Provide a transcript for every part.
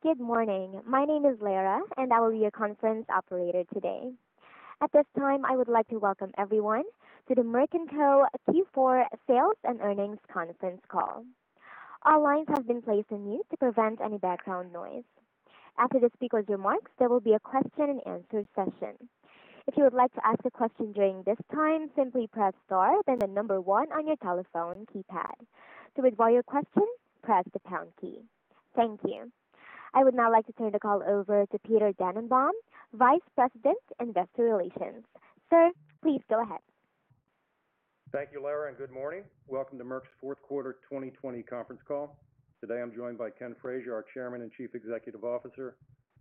Good morning. My name is Lara, and I will be your conference operator today. At this time, I would like to welcome everyone to the Merck & Co. Q4 sales and earnings conference call. All lines have been placed on mute to prevent any background noise. Thank you. I would now like to turn the call over to Peter Dannenbaum, Vice President, Investor Relations. Sir, please go ahead. Thank you, Lara, and good morning. Welcome to Merck's fourth quarter 2020 conference call. Today, I'm joined by Ken Frazier, our Chairman and Chief Executive Officer,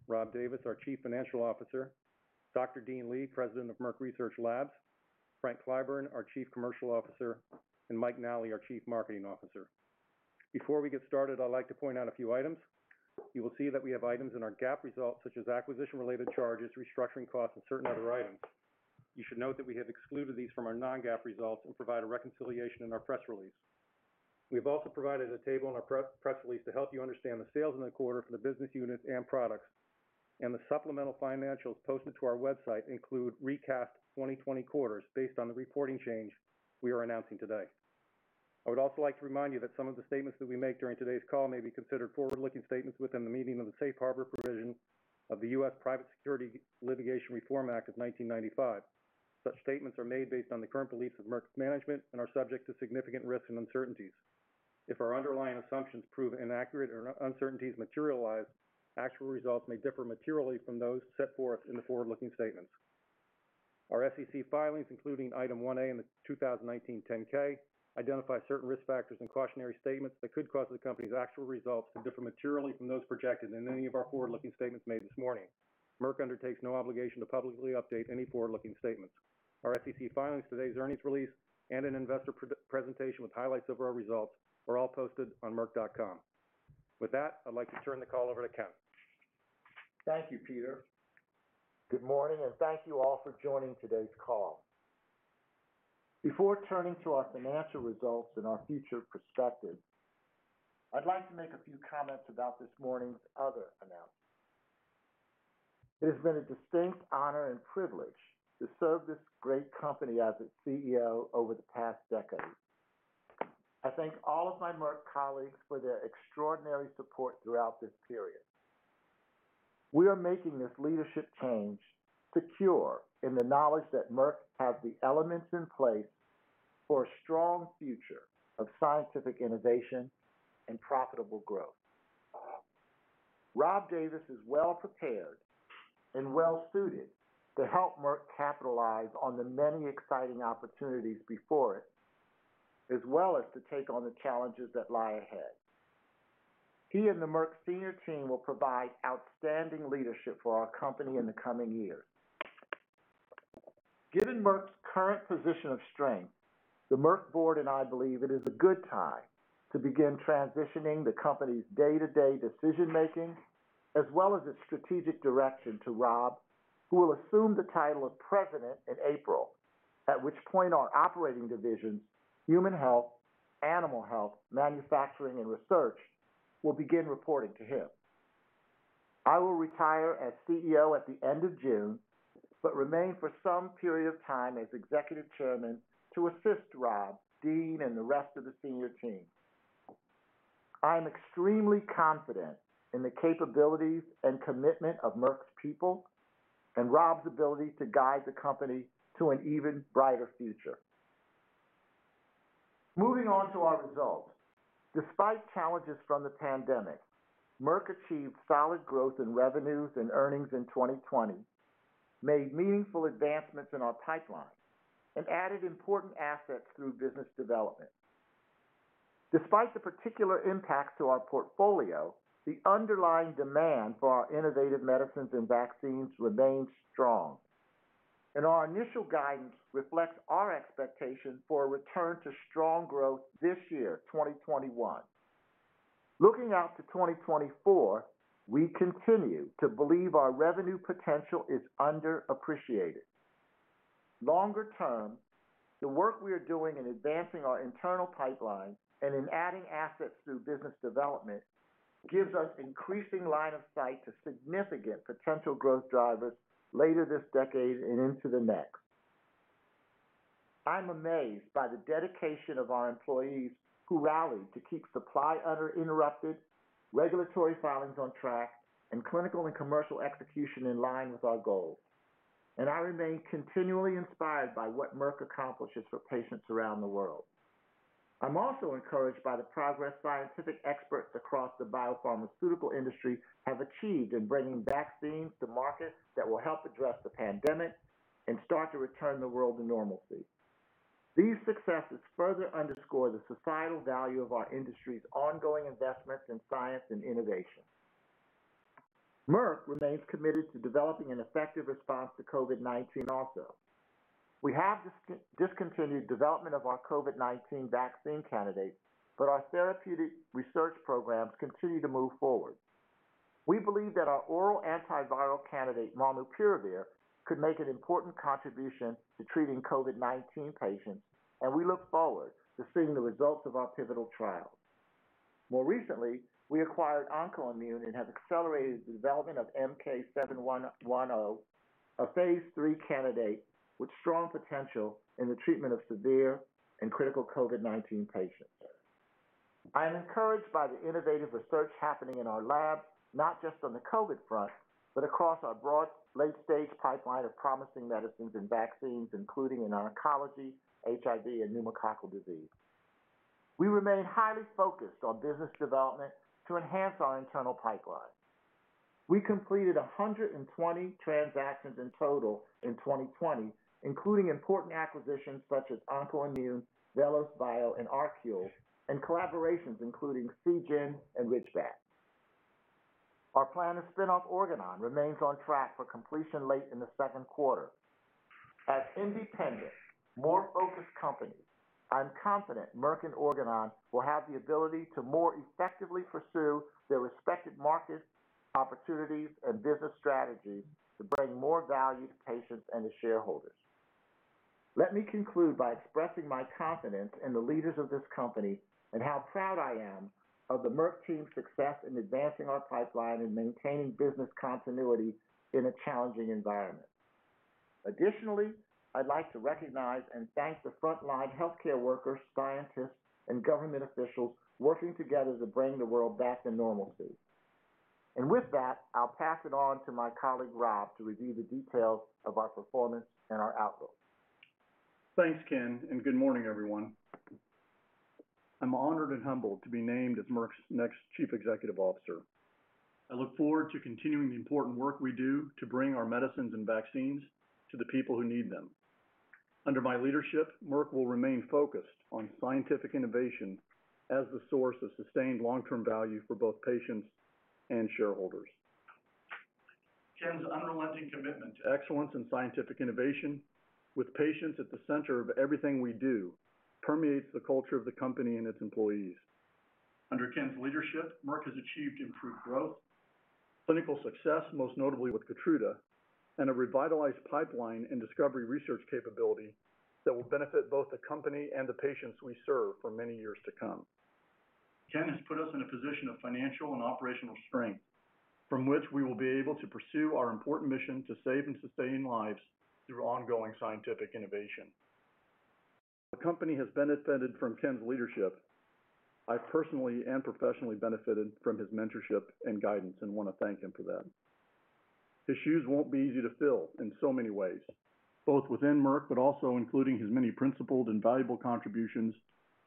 Rob Davis, our Chief Financial Officer, Dr. Dean Li, President of Merck Research Labs, Frank Clyburn, our Chief Commercial Officer, and Mike Nally, our Chief Marketing Officer. Before we get started, I'd like to point out a few items. You will see that we have items in our GAAP results, such as acquisition-related charges, restructuring costs, and certain other items. You should note that we have excluded these from our non-GAAP results and provide a reconciliation in our press release. We have also provided a table in our press release to help you understand the sales in the quarter for the business units and products, and the supplemental financials posted to our website include recast 2020 quarters based on the reporting change we are announcing today. I would also like to remind you that some of the statements that we make during today's call may be considered forward-looking statements within the meaning of the Safe Harbor provision of the U.S. Private Securities Litigation Reform Act of 1995. Such statements are made based on the current beliefs of Merck's management and are subject to significant risks and uncertainties. If our underlying assumptions prove inaccurate or uncertainties materialize, actual results may differ materially from those set forth in the forward-looking statements. Our SEC filings, including Item 1A in the 2019 10-K, identify certain risk factors and cautionary statements that could cause the company's actual results to differ materially from those projected in any of our forward-looking statements made this morning. Merck undertakes no obligation to publicly update any forward-looking statements. Our SEC filings, today's earnings release, and an investor presentation with highlights of our results are all posted on merck.com. With that, I'd like to turn the call over to Ken. Thank you, Peter. Good morning, and thank you all for joining today's call. Before turning to our financial results and our future perspective, I'd like to make a few comments about this morning's other announcement. It has been a distinct honor and privilege to serve this great company as its CEO over the past decade. I thank all of my Merck colleagues for their extraordinary support throughout this period. We are making this leadership change secure in the knowledge that Merck has the elements in place for a strong future of scientific innovation and profitable growth. Rob Davis is well-prepared and well-suited to help Merck capitalize on the many exciting opportunities before it, as well as to take on the challenges that lie ahead. He and the Merck senior team will provide outstanding leadership for our company in the coming years. Given Merck's current position of strength, the Merck board and I believe it is a good time to begin transitioning the company's day-to-day decision-making as well as its strategic direction to Rob, who will assume the title of President in April, at which point our operating divisions, human health, animal health, manufacturing, and research, will begin reporting to him. I will retire as CEO at the end of June, but remain for some period of time as Executive Chairman to assist Rob, Dean, and the rest of the senior team. I am extremely confident in the capabilities and commitment of Merck's people and Rob's ability to guide the company to an even brighter future. Moving on to our results. Despite challenges from the pandemic, Merck achieved solid growth in revenues and earnings in 2020, made meaningful advancements in our pipeline, and added important assets through business development. Despite the particular impacts to our portfolio, the underlying demand for our innovative medicines and vaccines remains strong, and our initial guidance reflects our expectation for a return to strong growth this year, 2021. Looking out to 2024, we continue to believe our revenue potential is underappreciated. Longer term, the work we are doing in advancing our internal pipeline and in adding assets through business development gives us increasing line of sight to significant potential growth drivers later this decade and into the next. I'm amazed by the dedication of our employees who rallied to keep supply uninterrupted, regulatory filings on track, and clinical and commercial execution in line with our goals. I remain continually inspired by what Merck accomplishes for patients around the world. I'm also encouraged by the progress scientific experts across the biopharmaceutical industry have achieved in bringing vaccines to market that will help address the pandemic and start to return the world to normalcy. These successes further underscore the societal value of our industry's ongoing investments in science and innovation. Merck remains committed to developing an effective response to COVID-19 also. We have discontinued development of our COVID-19 vaccine candidate, but our therapeutic research programs continue to move forward. We believe that our oral antiviral candidate, molnupiravir, could make an important contribution to treating COVID-19 patients, and we look forward to seeing the results of our pivotal trial. More recently, we acquired OncoImmune and have accelerated the development of MK-7110, a phase III candidate with strong potential in the treatment of severe and critical COVID-19 patients. I am encouraged by the innovative research happening in our lab, not just on the COVID front, but across our broad late-stage pipeline of promising medicines and vaccines, including in oncology, HIV, and pneumococcal disease. We remain highly focused on business development to enhance our internal pipeline. We completed 120 transactions in total in 2020, including important acquisitions such as OncoImmune, VelosBio, and ArQule, and collaborations including Seagen and Ridgeback. Our plan to spin off Organon remains on track for completion late in the second quarter. As independent, more focused companies, I'm confident Merck and Organon will have the ability to more effectively pursue their respective market opportunities and business strategies to bring more value to patients and to shareholders. Let me conclude by expressing my confidence in the leaders of this company and how proud I am of the Merck team's success in advancing our pipeline and maintaining business continuity in a challenging environment. Additionally, I'd like to recognize and thank the frontline healthcare workers, scientists, and government officials working together to bring the world back to normalcy. With that, I'll pass it on to my colleague, Rob, to review the details of our performance and our outlook. Thanks, Ken, and good morning, everyone. I'm honored and humbled to be named as Merck's next Chief Executive Officer. I look forward to continuing the important work we do to bring our medicines and vaccines to the people who need them. Under my leadership, Merck will remain focused on scientific innovation as the source of sustained long-term value for both patients and shareholders. Ken's unrelenting commitment to excellence in scientific innovation with patients at the center of everything we do permeates the culture of the company and its employees. Under Ken's leadership, Merck has achieved improved growth, clinical success, most notably with KEYTRUDA, and a revitalized pipeline and discovery research capability that will benefit both the company and the patients we serve for many years to come. Ken has put us in a position of financial and operational strength from which we will be able to pursue our important mission to save and sustain lives through ongoing scientific innovation. The company has benefited from Ken's leadership. I personally and professionally benefited from his mentorship and guidance and want to thank him for that. His shoes won't be easy to fill in so many ways, both within Merck, but also including his many principled and valuable contributions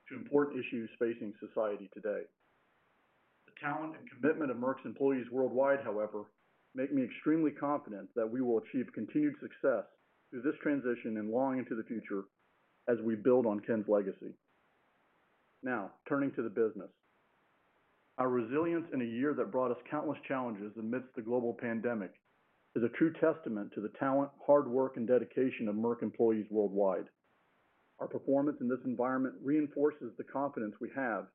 to important issues facing society today. The talent and commitment of Merck's employees worldwide, however, make me extremely confident that we will achieve continued success through this transition and long into the future as we build on Ken's legacy. Turning to the business. Our resilience in a year that brought us countless challenges amidst the global pandemic is a true testament to the talent, hard work, and dedication of Merck employees worldwide. Our performance in this environment reinforces the confidence we have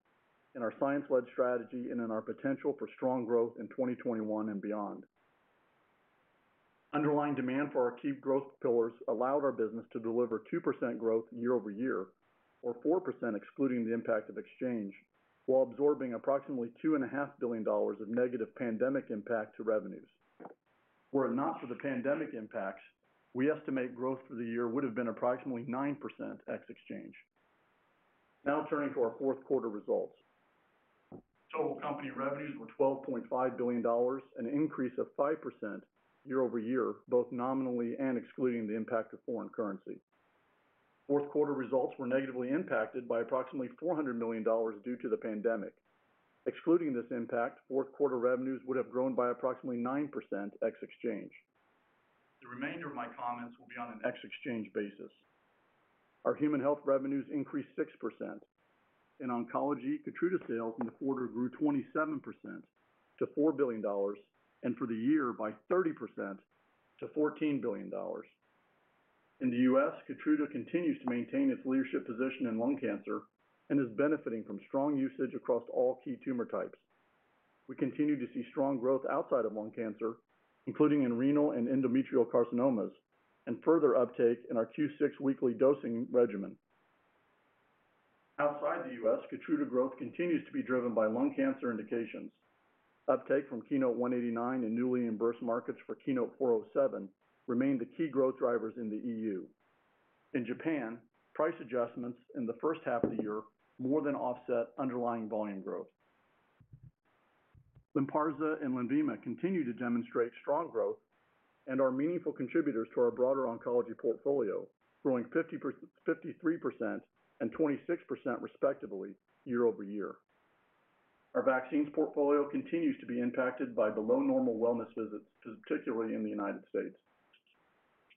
in our science-led strategy and in our potential for strong growth in 2021 and beyond. Underlying demand for our key growth pillars allowed our business to deliver 2% growth year-over-year, or 4% excluding the impact of exchange, while absorbing approximately $2.5 billion of negative pandemic impact to revenues. Were it not for the pandemic impacts, we estimate growth for the year would have been approximately 9% ex exchange. Now, turning to our fourth quarter results. Total company revenues were $12.5 billion, an increase of 5% year-over-year, both nominally and excluding the impact of foreign currency. Fourth quarter results were negatively impacted by approximately $400 million due to the pandemic. Excluding this impact, fourth quarter revenues would have grown by approximately 9% ex exchange. The remainder of my comments will be on an ex exchange basis. Our human health revenues increased 6%. In oncology, KEYTRUDA sales in the quarter grew 27% to $4 billion, and for the year by 30% to $14 billion. In the U.S., KEYTRUDA continues to maintain its leadership position in lung cancer and is benefiting from strong usage across all key tumor types. We continue to see strong growth outside of lung cancer, including in renal and endometrial carcinomas, and further uptake in our Q6W dosing regimen. Outside the U.S., KEYTRUDA growth continues to be driven by lung cancer indications. Uptake from KEYNOTE-189 and newly reimbursed markets for KEYNOTE-407 remain the key growth drivers in the EU. In Japan, price adjustments in the first half of the year more than offset underlying volume growth. LYNPARZA and LENVIMA continue to demonstrate strong growth and are meaningful contributors to our broader oncology portfolio, growing 53% and 26% respectively year-over-year. Our vaccines portfolio continues to be impacted by below normal wellness visits, particularly in the U.S.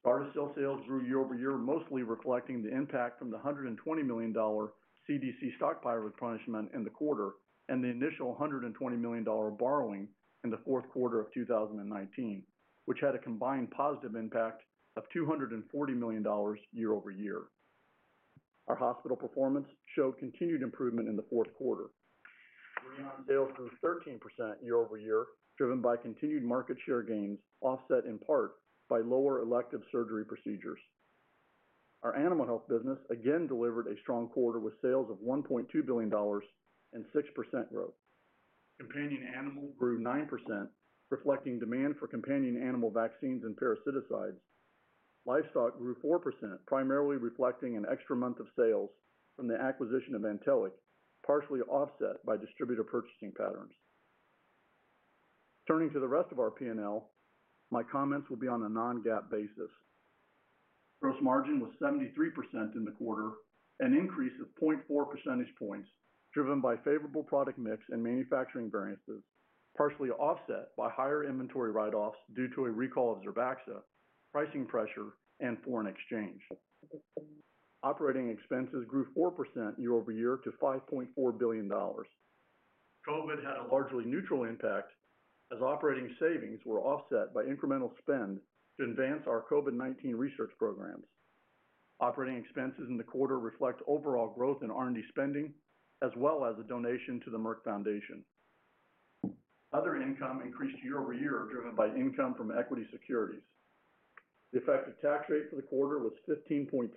GARDASIL sales grew year-over-year, mostly reflecting the impact from the $120 million CDC stockpile replenishment in the quarter and the initial $120 million borrowing in the fourth quarter of 2019, which had a combined positive impact of $240 million year-over-year. Our hospital performance showed continued improvement in the fourth quarter. BRIDION sales grew 13% year-over-year, driven by continued market share gains, offset in part by lower elective surgery procedures. Our Animal Health business again delivered a strong quarter with sales of $1.2 billion and 6% growth. Companion Animal grew 9%, reflecting demand for companion animal vaccines and parasiticides. Livestock grew 4%, primarily reflecting an extra month of sales from the acquisition of Antelliq, partially offset by distributor purchasing patterns. Turning to the rest of our P&L, my comments will be on a non-GAAP basis. Gross margin was 73% in the quarter, an increase of 0.4 percentage points, driven by favorable product mix and manufacturing variances, partially offset by higher inventory write-offs due to a recall of ZERBAXA, pricing pressure, and foreign exchange. Operating expenses grew 4% year-over-year to $5.4 billion. COVID had a largely neutral impact as operating savings were offset by incremental spend to advance our COVID-19 research programs. Operating expenses in the quarter reflect overall growth in R&D spending, as well as a donation to the Merck Foundation. Other income increased year-over-year, driven by income from equity securities. The effective tax rate for the quarter was 15.3%,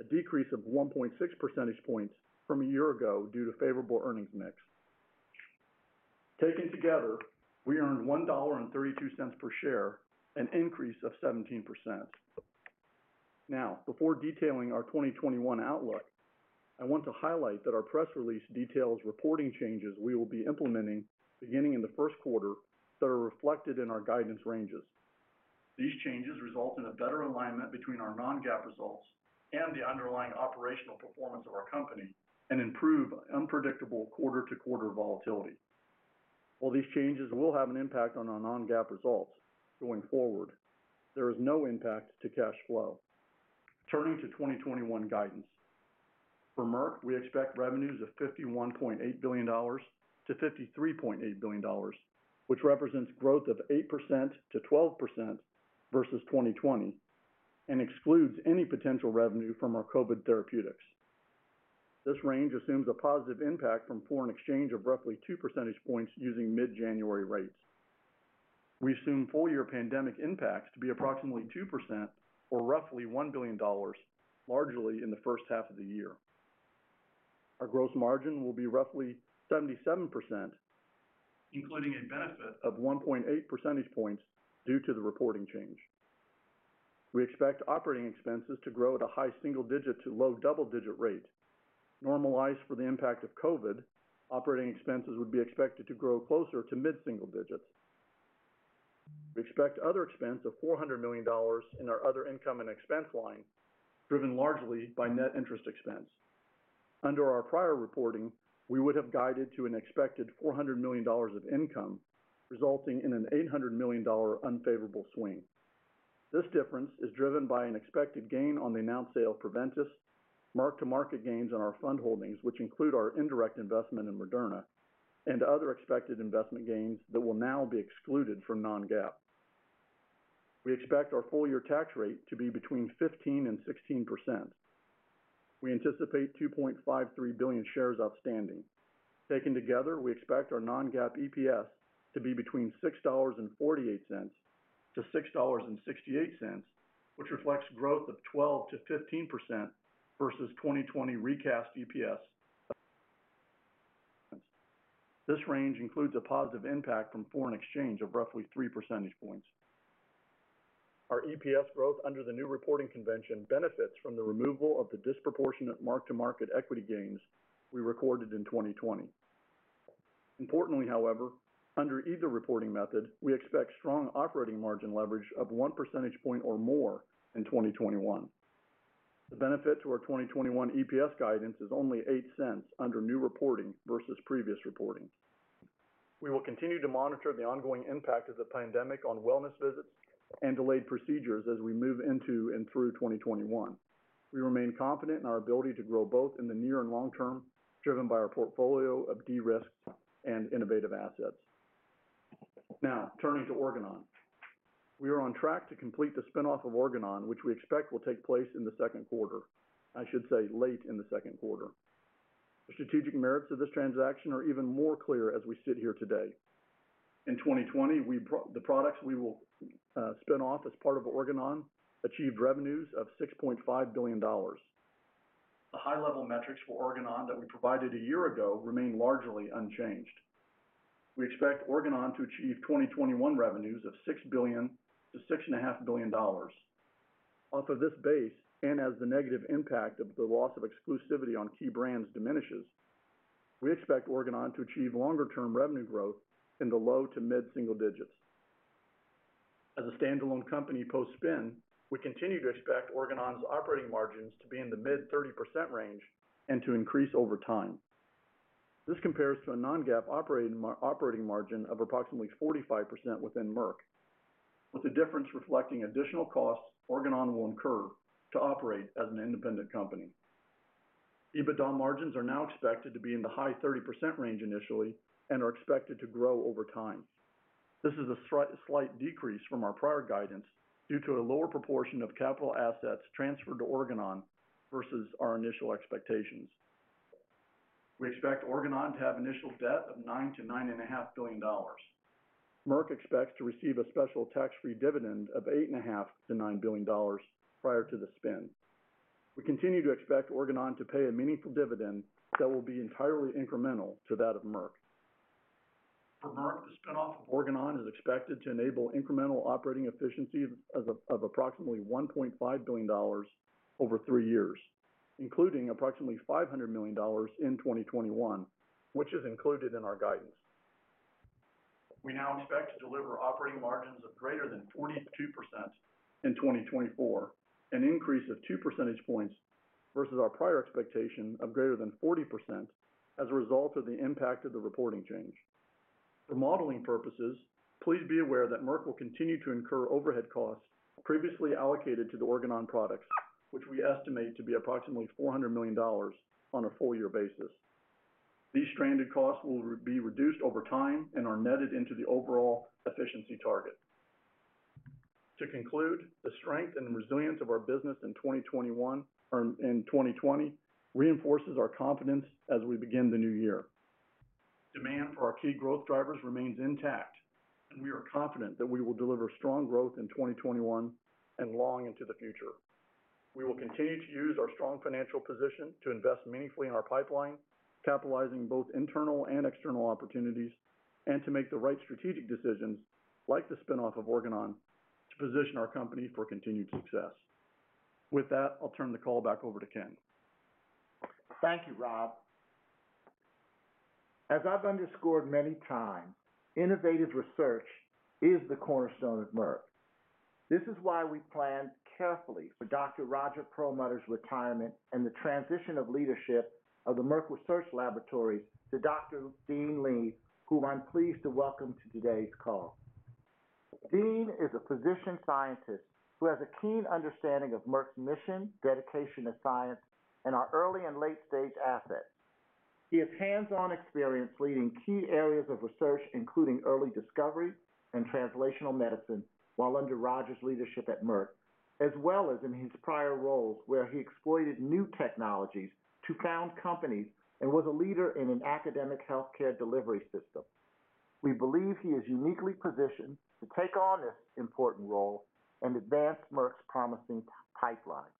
a decrease of 1.6 percentage points from a year ago due to favorable earnings mix. Taken together, we earned $1.32 per share, an increase of 17%. Now, before detailing our 2021 outlook, I want to highlight that our press release details reporting changes we will be implementing beginning in the first quarter that are reflected in our guidance ranges. These changes result in a better alignment between our non-GAAP results and the underlying operational performance of our company and improve unpredictable quarter-to-quarter volatility. While these changes will have an impact on our non-GAAP results going forward, there is no impact to cash flow. Turning to 2021 guidance. For Merck, we expect revenues of $51.8 billion-$53.8 billion, which represents growth of 8%-12% versus 2020 and excludes any potential revenue from our COVID therapeutics. This range assumes a positive impact from foreign exchange of roughly two percentage points using mid-January rates. We assume full-year pandemic impacts to be approximately 2% or roughly $1 billion, largely in the first half of the year. Our gross margin will be roughly 77%, including a benefit of 1.8 percentage points due to the reporting change. We expect operating expenses to grow at a high single-digit to low double-digit rate. Normalized for the impact of COVID, operating expenses would be expected to grow closer to mid-single digits. We expect other expense of $400 million in our other income and expense line, driven largely by net interest expense. Under our prior reporting, we would have guided to an expected $400 million of income, resulting in an $800 million unfavorable swing. This difference is driven by an expected gain on the announced sale of Preventice, mark-to-market gains on our fund holdings, which include our indirect investment in Moderna, and other expected investment gains that will now be excluded from non-GAAP. We expect our full-year tax rate to be between 15% and 16%. We anticipate 2.53 billion shares outstanding. Taken together, we expect our non-GAAP EPS to be between $6.48-$6.68, which reflects growth of 12%-15% versus 2020 recast EPS. This range includes a positive impact from foreign exchange of roughly 3 percentage points. Our EPS growth under the new reporting convention benefits from the removal of the disproportionate mark-to-market equity gains we recorded in 2020. Importantly, however, under either reporting method, we expect strong operating margin leverage of 1 percentage point or more in 2021. The benefit to our 2021 EPS guidance is only $0.08 under new reporting versus previous reporting. We will continue to monitor the ongoing impact of the pandemic on wellness visits and delayed procedures as we move into and through 2021. We remain confident in our ability to grow both in the near and long term, driven by our portfolio of de-risked and innovative assets. Turning to Organon. We are on track to complete the spin-off of Organon, which we expect will take place in the second quarter. I should say late in the second quarter. The strategic merits of this transaction are even more clear as we sit here today. In 2020, the products we will spin off as part of Organon achieved revenues of $6.5 billion. The high-level metrics for Organon that we provided a year ago remain largely unchanged. We expect Organon to achieve 2021 revenues of $6 billion-$6.5 billion. Off of this base, as the negative impact of the loss of exclusivity on key brands diminishes, we expect Organon to achieve longer-term revenue growth in the low to mid-single digits. As a standalone company post-spin, we continue to expect Organon's operating margins to be in the mid-30% range and to increase over time. This compares to a non-GAAP operating margin of approximately 45% within Merck, with the difference reflecting additional costs Organon will incur to operate as an independent company. EBITDA margins are now expected to be in the high 30% range initially and are expected to grow over time. This is a slight decrease from our prior guidance due to a lower proportion of capital assets transferred to Organon versus our initial expectations. We expect Organon to have initial debt of $9 billion-$9.5 billion. Merck expects to receive a special tax-free dividend of $8.5 billion-$9 billion prior to the spin. We continue to expect Organon to pay a meaningful dividend that will be entirely incremental to that of Merck. For Merck, the spin-off of Organon is expected to enable incremental operating efficiency of approximately $1.5 billion over three years, including approximately $500 million in 2021, which is included in our guidance. We now expect to deliver operating margins of greater than 42% in 2024, an increase of 2 percentage points versus our prior expectation of greater than 40% as a result of the impact of the reporting change. For modeling purposes, please be aware that Merck will continue to incur overhead costs previously allocated to the Organon products, which we estimate to be approximately $400 million on a full-year basis. These stranded costs will be reduced over time and are netted into the overall efficiency target. To conclude, the strength and resilience of our business in 2020 reinforces our confidence as we begin the new year. Demand for our key growth drivers remains intact, and we are confident that we will deliver strong growth in 2021 and long into the future. We will continue to use our strong financial position to invest meaningfully in our pipeline, capitalizing both internal and external opportunities, and to make the right strategic decisions, like the spin-off of Organon, to position our company for continued success. With that, I'll turn the call back over to Ken. Thank you, Rob. As I've underscored many times, innovative research is the cornerstone of Merck. This is why we planned carefully for Dr. Roger Perlmutter's retirement and the transition of leadership of the Merck Research Laboratories to Dr. Dean Li, whom I'm pleased to welcome to today's call. Dean is a physician-scientist who has a keen understanding of Merck's mission, dedication to science, and our early and late-stage assets. He has hands-on experience leading key areas of research, including early discovery and translational medicine while under Roger's leadership at Merck, as well as in his prior roles where he exploited new technologies to found companies and was a leader in an academic healthcare delivery system. We believe he is uniquely positioned to take on this important role and advance Merck's promising pipeline.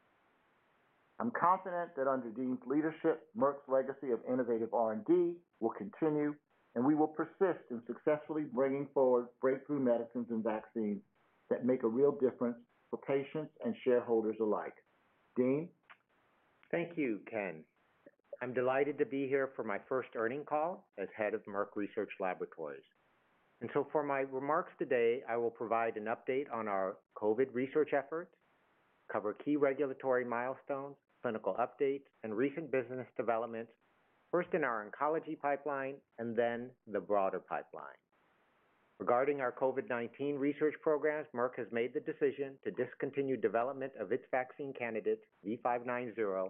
I'm confident that under Dean's leadership, Merck's legacy of innovative R&D will continue, and we will persist in successfully bringing forward breakthrough medicines and vaccines that make a real difference for patients and shareholders alike. Dean? Thank you, Ken. I'm delighted to be here for my first earnings call as head of Merck Research Laboratories. For my remarks today, I will provide an update on our COVID research efforts, cover key regulatory milestones, clinical updates, and recent business developments, first in our oncology pipeline and then the broader pipeline. Regarding our COVID-19 research programs, Merck has made the decision to discontinue development of its vaccine candidates, V590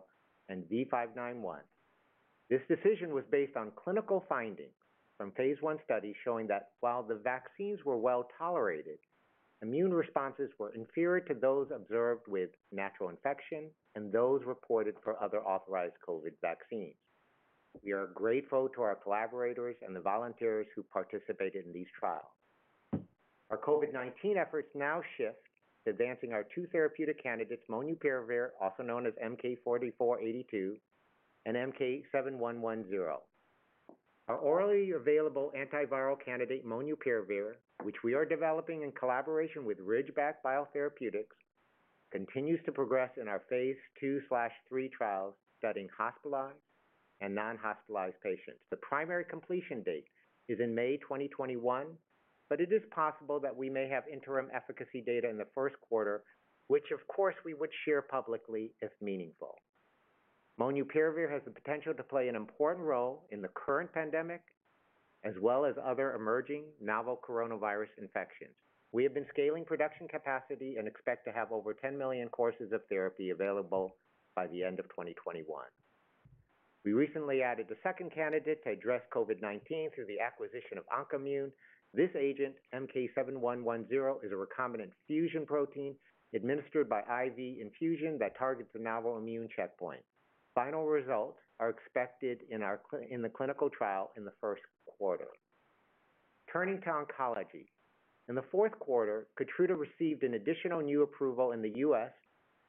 and V591. This decision was based on clinical findings from phase I studies showing that while the vaccines were well-tolerated, immune responses were inferior to those observed with natural infection and those reported for other authorized COVID vaccines. We are grateful to our collaborators and the volunteers who participated in these trials. Our COVID-19 efforts now shift to advancing our two therapeutic candidates, molnupiravir, also known as MK-4482, and MK-7110. Our orally available antiviral candidate, molnupiravir, which we are developing in collaboration with Ridgeback Biotherapeutics, continues to progress in our phase II/III trials studying hospitalized and non-hospitalized patients. The primary completion date is in May 2021. It is possible that we may have interim efficacy data in the first quarter, which, of course, we would share publicly if meaningful. Molnupiravir has the potential to play an important role in the current pandemic, as well as other emerging novel coronavirus infections. We have been scaling production capacity and expect to have over 10 million courses of therapy available by the end of 2021. We recently added the second candidate to address COVID-19 through the acquisition of OncoImmune. This agent, MK-7110, is a recombinant fusion protein administered by IV infusion that targets the novel immune checkpoint. Final results are expected in the clinical trial in the first quarter. Turning to oncology. In the fourth quarter, KEYTRUDA received an additional new approval in the U.S.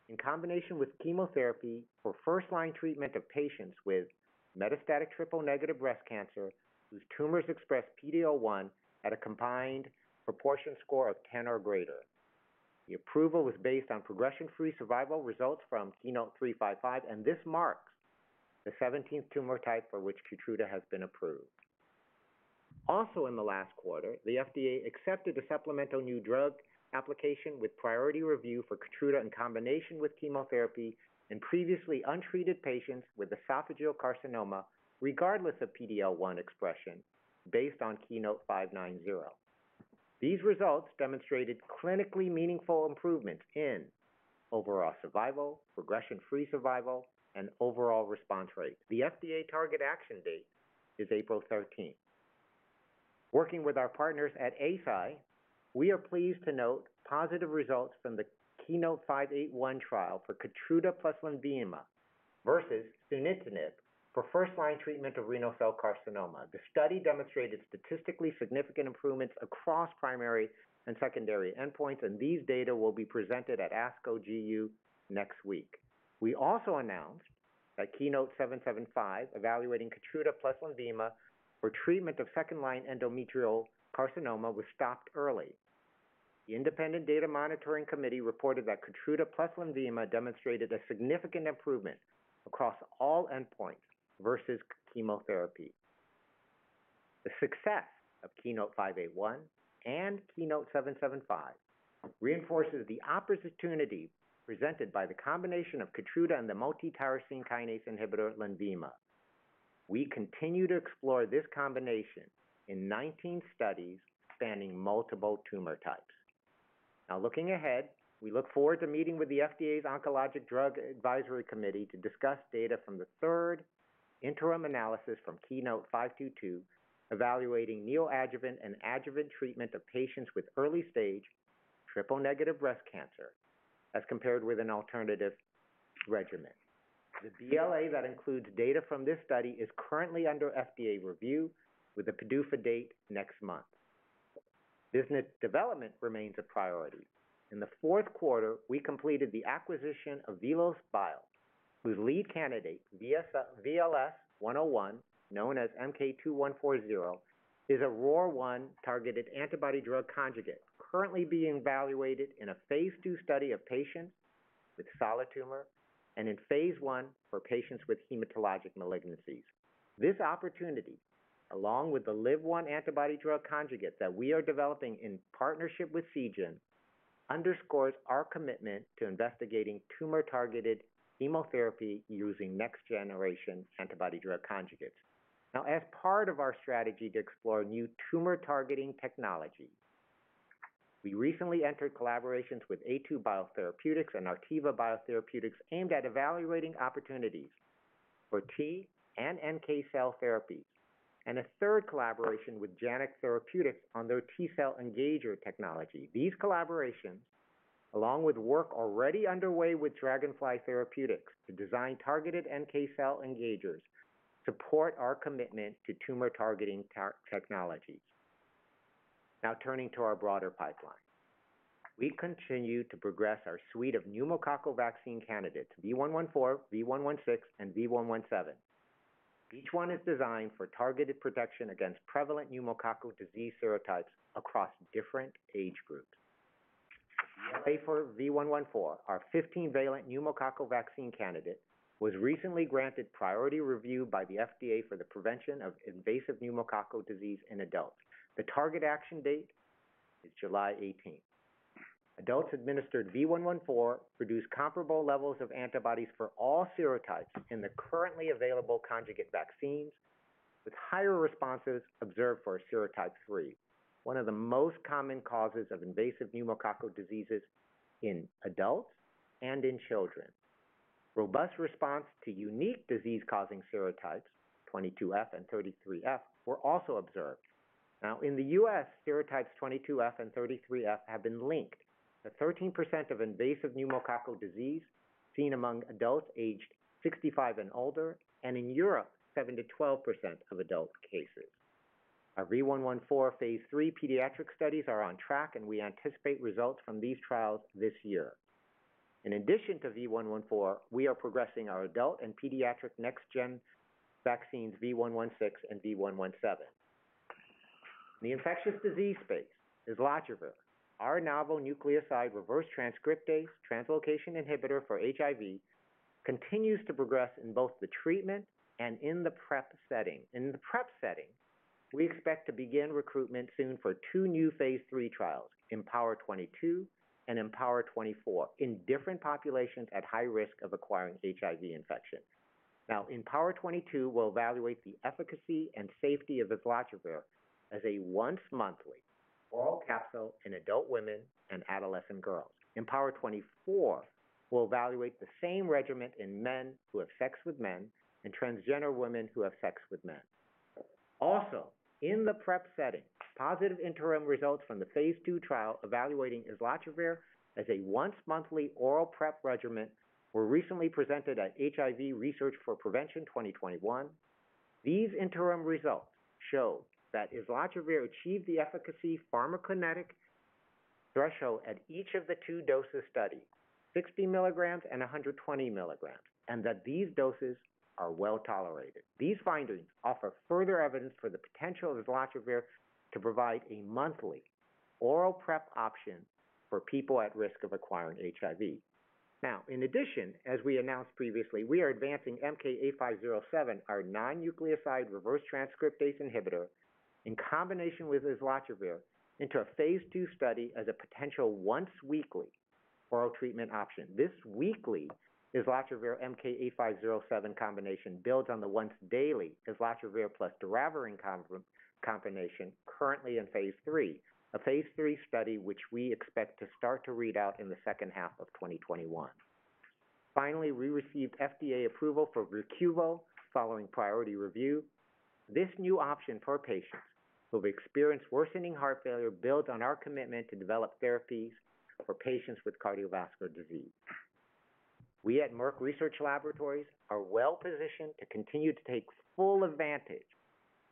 in combination with chemotherapy for first-line treatment of patients with metastatic triple-negative breast cancer whose tumors express PD-L1 at a combined proportion score of 10 or greater. The approval was based on progression-free survival results from KEYNOTE-355, and this marks the 17th tumor type for which KEYTRUDA has been approved. Also in the last quarter, the FDA accepted a supplemental new drug application with priority review for KEYTRUDA in combination with chemotherapy in previously untreated patients with esophageal carcinoma, regardless of PD-L1 expression, based on KEYNOTE-590. These results demonstrated clinically meaningful improvements in overall survival, progression-free survival, and overall response rate. The FDA target action date is April 13th. Working with our partners at Eisai, we are pleased to note positive results from the KEYNOTE-581 trial for KEYTRUDA plus LENVIMA versus sunitinib for first-line treatment of renal cell carcinoma. These data will be presented at ASCO GU next week. We also announced that KEYNOTE-775, evaluating KEYTRUDA plus LENVIMA for treatment of second-line endometrial carcinoma, was stopped early. The independent data monitoring committee reported that KEYTRUDA plus LENVIMA demonstrated a significant improvement across all endpoints versus chemotherapy. The success of KEYNOTE-581 and KEYNOTE-775 reinforces the opportunity presented by the combination of KEYTRUDA and the multi-tyrosine kinase inhibitor LENVIMA. We continue to explore this combination in 19 studies spanning multiple tumor types. Now looking ahead, we look forward to meeting with the FDA's Oncologic Drugs Advisory Committee to discuss data from the third interim analysis from KEYNOTE-522, evaluating neoadjuvant and adjuvant treatment of patients with early-stage triple-negative breast cancer as compared with an alternative regimen. The BLA that includes data from this study is currently under FDA review with a PDUFA date next month. Business development remains a priority. In the fourth quarter, we completed the acquisition of VelosBio, whose lead candidate, VLS-101, known as MK-2140, is a ROR1-targeted antibody-drug conjugate currently being evaluated in a phase II study of patients with solid tumor and in phase I for patients with hematologic malignancies. This opportunity, along with the LIV-1 antibody-drug conjugate that we are developing in partnership with Seagen, underscores our commitment to investigating tumor-targeted chemotherapy using next-generation antibody-drug conjugates. As part of our strategy to explore new tumor-targeting technology, we recently entered collaborations with A2 Biotherapeutics and Artiva Biotherapeutics aimed at evaluating opportunities for T and NK cell therapies, and a third collaboration with Janux Therapeutics on their T cell engager technology. These collaborations, along with work already underway with Dragonfly Therapeutics to design targeted NK cell engagers, support our commitment to tumor-targeting technologies. Turning to our broader pipeline. We continue to progress our suite of pneumococcal vaccine candidates, V114, V116, and V117. Each one is designed for targeted protection against prevalent pneumococcal disease serotypes across different age groups. The BLA for V114, our 15-valent pneumococcal vaccine candidate, was recently granted priority review by the FDA for the prevention of invasive pneumococcal disease in adults. The target action date is July 18th. Adults administered V114 produced comparable levels of antibodies for all serotypes in the currently available conjugate vaccines, with higher responses observed for serotype 3, one of the most common causes of invasive pneumococcal diseases in adults and in children. Robust response to unique disease-causing serotypes, 22F and 33F, were also observed. Now, in the U.S., serotypes 22F and 33F have been linked to 13% of invasive pneumococcal disease seen among adults aged 65 and older, and in Europe, 7%-12% of adult cases. Our V114 phase III pediatric studies are on track. We anticipate results from these trials this year. In addition to V114, we are progressing our adult and pediatric next-gen vaccines V116 and V117. In the infectious disease space, islatravir, our novel nucleoside reverse transcriptase translocation inhibitor for HIV, continues to progress in both the treatment and in the PrEP setting. In the PrEP setting, we expect to begin recruitment soon for two new phase III trials, IMPOWER 22 and IMPOWER 24, in different populations at high risk of acquiring HIV infection. IMPOWER 22 will evaluate the efficacy and safety of islatravir as a once-monthly oral capsule in adult women and adolescent girls. IMPOWER 24 will evaluate the same regimen in men who have sex with men and transgender women who have sex with men. In the PrEP setting, positive interim results from the phase II trial evaluating islatravir as a once-monthly oral PrEP regimen were recently presented at HIV Research for Prevention 2021. These interim results show that islatravir achieved the efficacy pharmacokinetic threshold at each of the two doses studied, 60 mg and 120 mg, and that these doses are well-tolerated. These findings offer further evidence for the potential of islatravir to provide a monthly oral PrEP option for people at risk of acquiring HIV. In addition, as we announced previously, we are advancing MK-8507, our non-nucleoside reverse transcriptase inhibitor, in combination with islatravir into a phase II study as a potential once-weekly oral treatment option. This weekly islatravir-MK-8507 combination builds on the once-daily islatravir plus doravirine combination currently in phase III, a phase III study which we expect to start to read out in the second half of 2021. We received FDA approval for VERQUVO following priority review. This new option for patients who've experienced worsening heart failure built on our commitment to develop therapies for patients with cardiovascular disease. We at Merck Research Laboratories are well-positioned to continue to take full advantage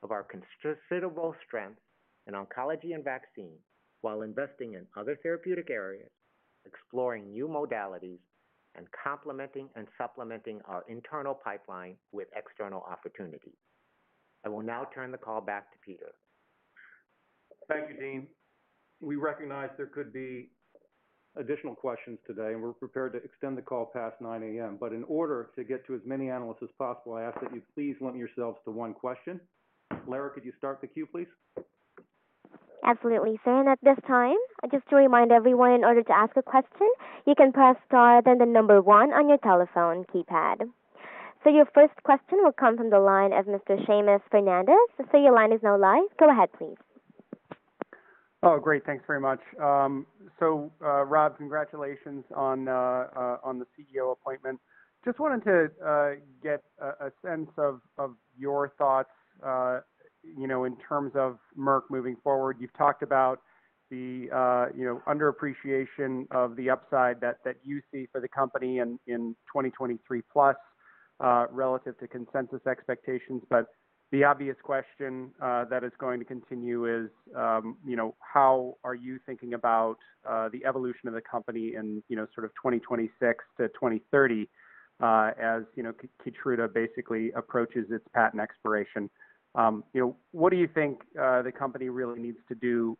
of our considerable strength in oncology and vaccine while investing in other therapeutic areas, exploring new modalities, and complementing and supplementing our internal pipeline with external opportunities. I will now turn the call back to Peter. Thank you, Dean. We recognize there could be additional questions today, and we're prepared to extend the call past 9:00 A.M., but in order to get to as many analysts as possible, I ask that you please limit yourselves to one question. Lara, could you start the queue, please? Absolutely, sir. Your first question will come from the line of Mr. Seamus Fernandez. Sir, your line is now live. Go ahead, please. Oh, great. Thanks very much. Rob, congratulations on the CEO appointment. Just wanted to get a sense of your thoughts in terms of Merck moving forward. You've talked about the under-appreciation of the upside that you see for the company in 2023 plus relative to consensus expectations. The obvious question that is going to continue is, how are you thinking about the evolution of the company in sort of 2026 to 2030, as KEYTRUDA basically approaches its patent expiration? What do you think the company really needs to do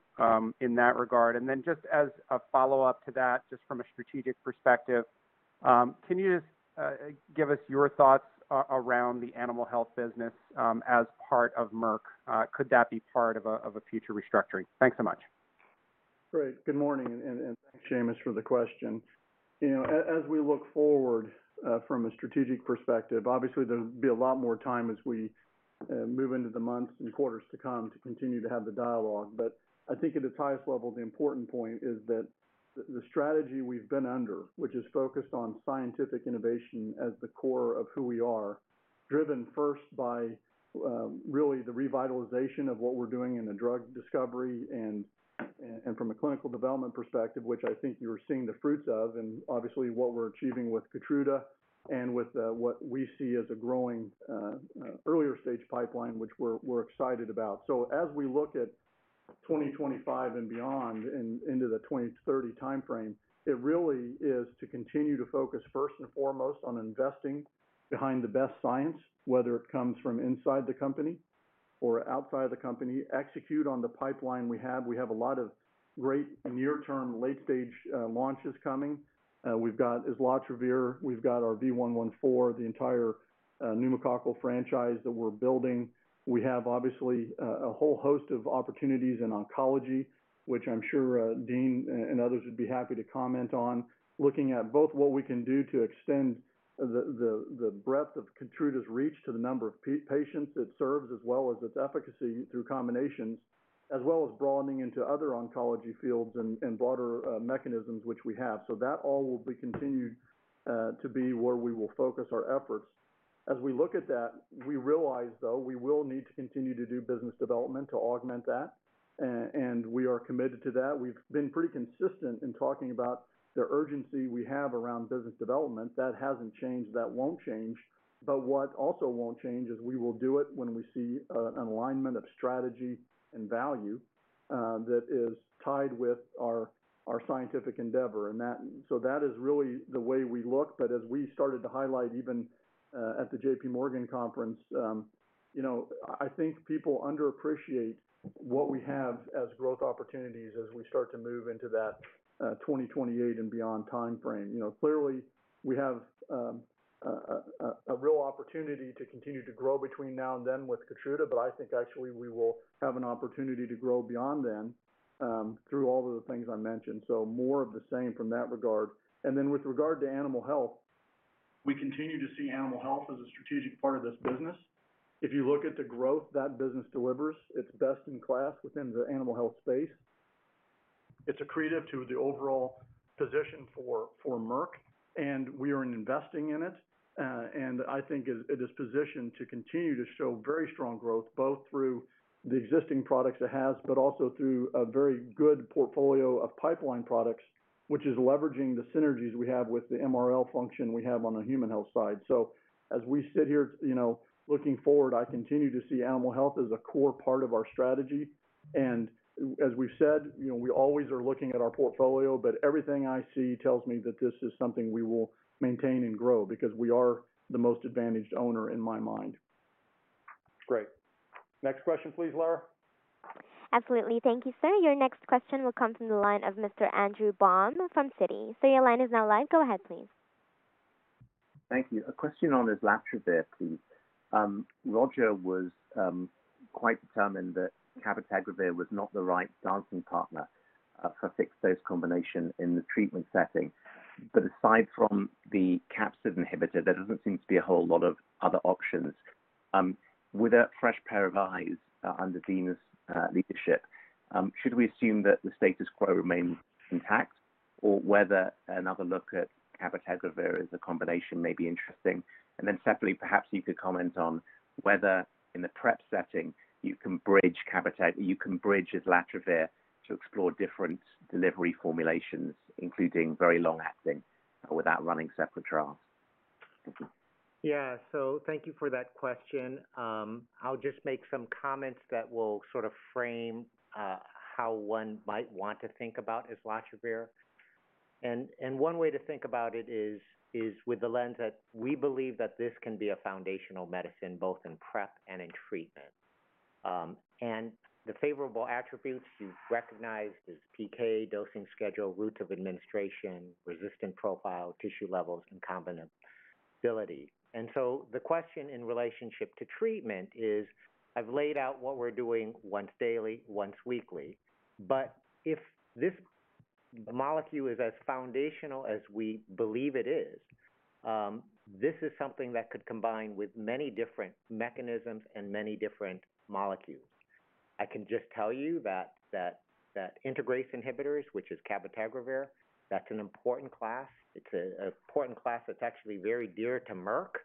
in that regard? Just as a follow-up to that, just from a strategic perspective, can you just give us your thoughts around the Animal Health business as part of Merck? Could that be part of a future restructuring? Thanks so much. Great. Good morning. Thanks, Seamus, for the question. As we look forward from a strategic perspective, obviously there'll be a lot more time as we move into the months and quarters to come to continue to have the dialogue. I think at its highest level, the important point is that the strategy we've been under, which is focused on scientific innovation as the core of who we are, driven first by really the revitalization of what we're doing in the drug discovery and from a clinical development perspective, which I think you're seeing the fruits of, and obviously what we're achieving with KEYTRUDA and with what we see as a growing earlier-stage pipeline, which we're excited about. As we look at 2025 and beyond and into the 2030 timeframe, it really is to continue to focus first and foremost on investing behind the best science, whether it comes from inside the company or outside the company, execute on the pipeline we have. We have a lot of great near-term, late-stage launches coming. We've got islatravir, we've got our V114, the entire pneumococcal franchise that we're building. We have obviously a whole host of opportunities in oncology, which I'm sure Dean and others would be happy to comment on. Looking at both what we can do to extend the breadth of KEYTRUDA's reach to the number of patients it serves as well as its efficacy through combinations, as well as broadening into other oncology fields and broader mechanisms which we have. That all will be continued to be where we will focus our efforts. As we look at that, we realize, though, we will need to continue to do business development to augment that, and we are committed to that. We've been pretty consistent in talking about the urgency we have around business development. That hasn't changed. That won't change. What also won't change is we will do it when we see an alignment of strategy and value that is tied with our scientific endeavor, and so that is really the way we look. As we started to highlight even at the JPMorgan conference, I think people underappreciate what we have as growth opportunities as we start to move into that 2028 and beyond timeframe. Clearly, we have a real opportunity to continue to grow between now and then with KEYTRUDA, but I think actually we will have an opportunity to grow beyond then through all of the things I mentioned. More of the same from that regard. With regard to animal health, we continue to see animal health as a strategic part of this business. If you look at the growth that business delivers, it's best in class within the animal health space. It's accretive to the overall position for Merck, and we are investing in it. I think it is positioned to continue to show very strong growth, both through the existing products it has, but also through a very good portfolio of pipeline products, which is leveraging the synergies we have with the MRL function we have on the Human Health side. As we sit here looking forward, I continue to see animal health as a core part of our strategy, and as we've said, we always are looking at our portfolio, but everything I see tells me that this is something we will maintain and grow because we are the most advantaged owner in my mind. Great. Next question, please, Lara. Absolutely. Thank you, sir. Your next question will come from the line of Mr. Andrew Baum from Citi. Sir, your line is now live. Go ahead, please. Thank you. A question on islatravir, please. Roger was quite determined that cabotegravir was not the right dancing partner for fixed-dose combination in the treatment setting. Aside from the capsid inhibitor, there doesn't seem to be a whole lot of other options. With a fresh pair of eyes under Dean's leadership, should we assume that the status quo remains intact, or whether another look at cabotegravir as a combination may be interesting? Separately, perhaps you could comment on whether in the PrEP setting you can bridge islatravir to explore different delivery formulations, including very long-acting, without running separate trials. Thank you. Thank you for that question. I'll just make some comments that will frame how one might want to think about islatravir. One way to think about it is with the lens that we believe that this can be a foundational medicine both in PrEP and in treatment. The favorable attributes you've recognized is PK, dosing schedule, route of administration, resistant profile, tissue levels, and combinability. The question in relationship to treatment is, I've laid out what we're doing once daily, once weekly. If this molecule is as foundational as we believe it is, this is something that could combine with many different mechanisms and many different molecules. I can just tell you that integrase inhibitors, which is cabotegravir, that's an important class. It's an important class that's actually very dear to Merck,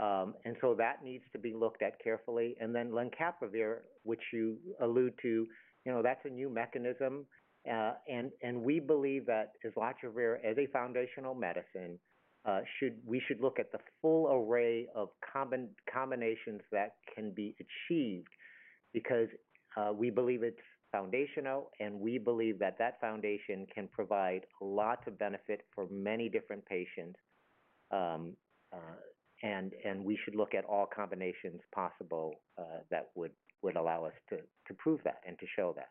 and so that needs to be looked at carefully. Then lenacapavir, which you allude to, that's a new mechanism. We believe that islatravir as a foundational medicine, we should look at the full array of combinations that can be achieved because we believe it's foundational, and we believe that that foundation can provide lots of benefit for many different patients. We should look at all combinations possible that would allow us to prove that and to show that.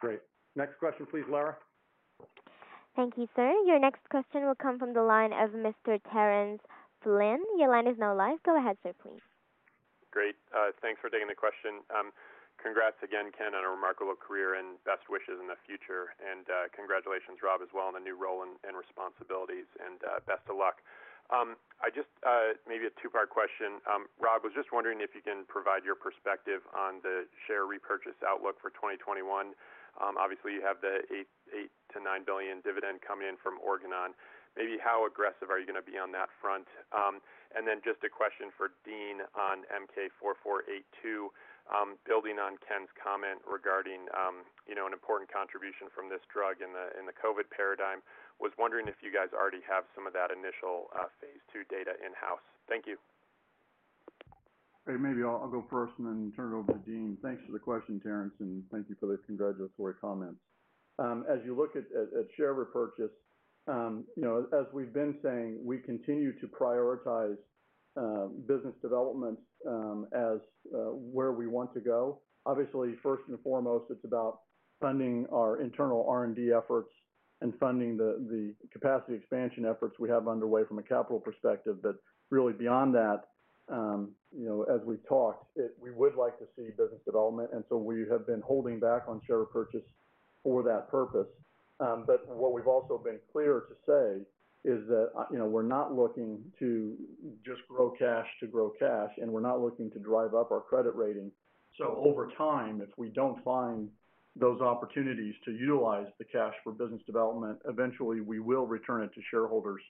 Great. Next question, please, Lara. Thank you, sir. Your next question will come from the line of Mr. Terence Flynn. Your line is now live. Go ahead, sir, please. Great. Thanks for taking the question. Congrats again, Ken, on a remarkable career and best wishes in the future. Congratulations, Rob, as well on the new role and responsibilities and best of luck. Maybe a two-part question. Rob, was just wondering if you can provide your perspective on the share repurchase outlook for 2021. Obviously, you have the $8 billion-$9 billion dividend coming in from Organon. Maybe how aggressive are you going to be on that front? Then just a question for Dean on MK-4482. Building on Ken's comment regarding an important contribution from this drug in the COVID-19 paradigm, was wondering if you guys already have some of that initial phase II data in-house. Thank you. Maybe I'll go first and then turn it over to Dean. Thanks for the question, Terence, and thank you for the congratulatory comments. As you look at share repurchase, as we've been saying, we continue to prioritize business development as where we want to go. Obviously, first and foremost, it's about funding our internal R&D efforts and funding the capacity expansion efforts we have underway from a capital perspective. Really beyond that, as we've talked, we would like to see business development, and so we have been holding back on share purchase for that purpose. What we've also been clear to say is that we're not looking to just grow cash to grow cash, and we're not looking to drive up our credit rating. Over time, if we don't find those opportunities to utilize the cash for business development, eventually we will return it to shareholders.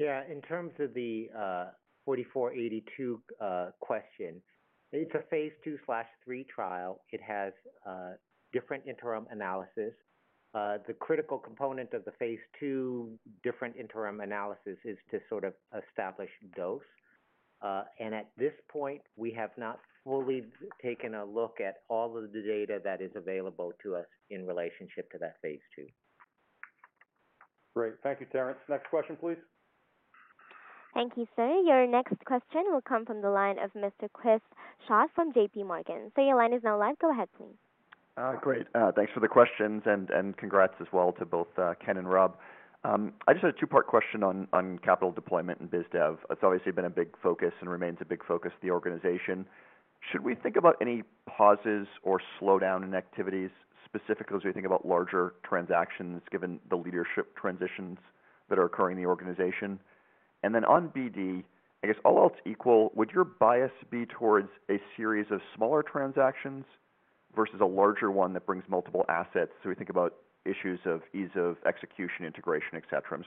Yeah. In terms of the 4482 question, it's a phase II/III trial. It has different interim analysis. The critical component of the phase II different interim analysis is to sort of establish dose. At this point, we have not fully taken a look at all of the data that is available to us in relationship to that phase II. Great. Thank you, Terence. Next question, please. Thank you, sir. Your next question will come from the line of Mr. Chris Schott from JPMorgan. Sir, your line is now live. Go ahead, please. Great. Thanks for the questions and congrats as well to both Ken and Rob. I just had a two-part question on capital deployment and biz dev. It's obviously been a big focus and remains a big focus of the organization. Should we think about any pauses or slowdown in activities, specifically as we think about larger transactions given the leadership transitions that are occurring in the organization? Then on BD, I guess all else equal, would your bias be towards a series of smaller transactions versus a larger one that brings multiple assets? We think about issues of ease of execution, integration, et cetera.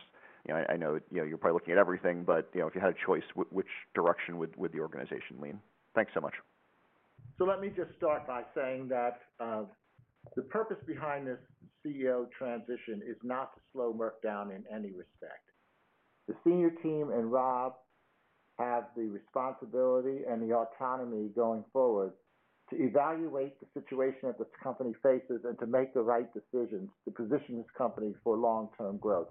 I know you're probably looking at everything, if you had a choice, which direction would the organization lean? Thanks so much. Let me just start by saying that the purpose behind this CEO transition is not to slow Merck down in any respect. The senior team and Rob have the responsibility and the autonomy going forward to evaluate the situation that this company faces and to make the right decisions to position this company for long-term growth.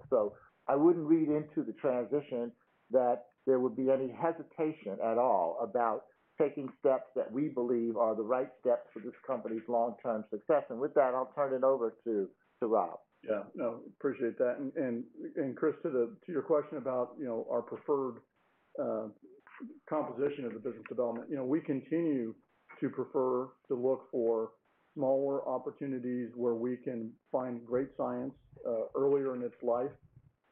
I wouldn't read into the transition that there would be any hesitation at all about taking steps that we believe are the right steps for this company's long-term success. With that, I'll turn it over to Rob. Yeah, appreciate that. Chris, to your question about our preferred composition of the business development, we continue to prefer to look for smaller opportunities where we can find great science earlier in its life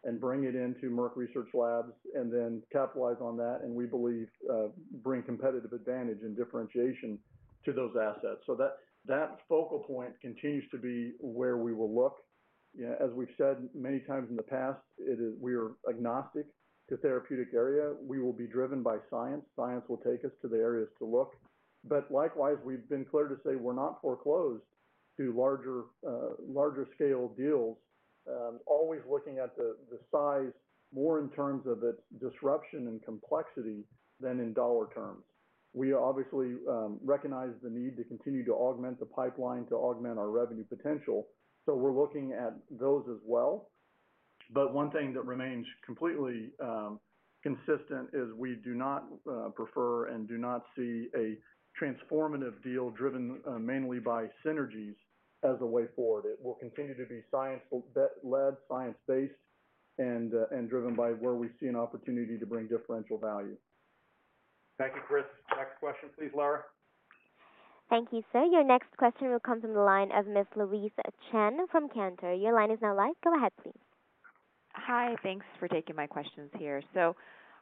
and bring it into Merck Research Labs, and then capitalize on that and we believe bring competitive advantage and differentiation to those assets. That focal point continues to be where we will look. As we've said many times in the past, we are agnostic to therapeutic area. We will be driven by science. Science will take us to the areas to look. Likewise, we've been clear to say we're not foreclosed to larger scale deals. Always looking at the size more in terms of its disruption and complexity than in dollar terms. We obviously recognize the need to continue to augment the pipeline, to augment our revenue potential. We're looking at those as well. One thing that remains completely consistent is we do not prefer and do not see a transformative deal driven mainly by synergies as a way forward. It will continue to be science-led, science-based, and driven by where we see an opportunity to bring differential value. Thank you, Chris. Next question please, Lara. Thank you, sir. Your next question will come from the line of Ms. Louise Chen from Cantor. Your line is now live. Go ahead please. Hi. Thanks for taking my questions here.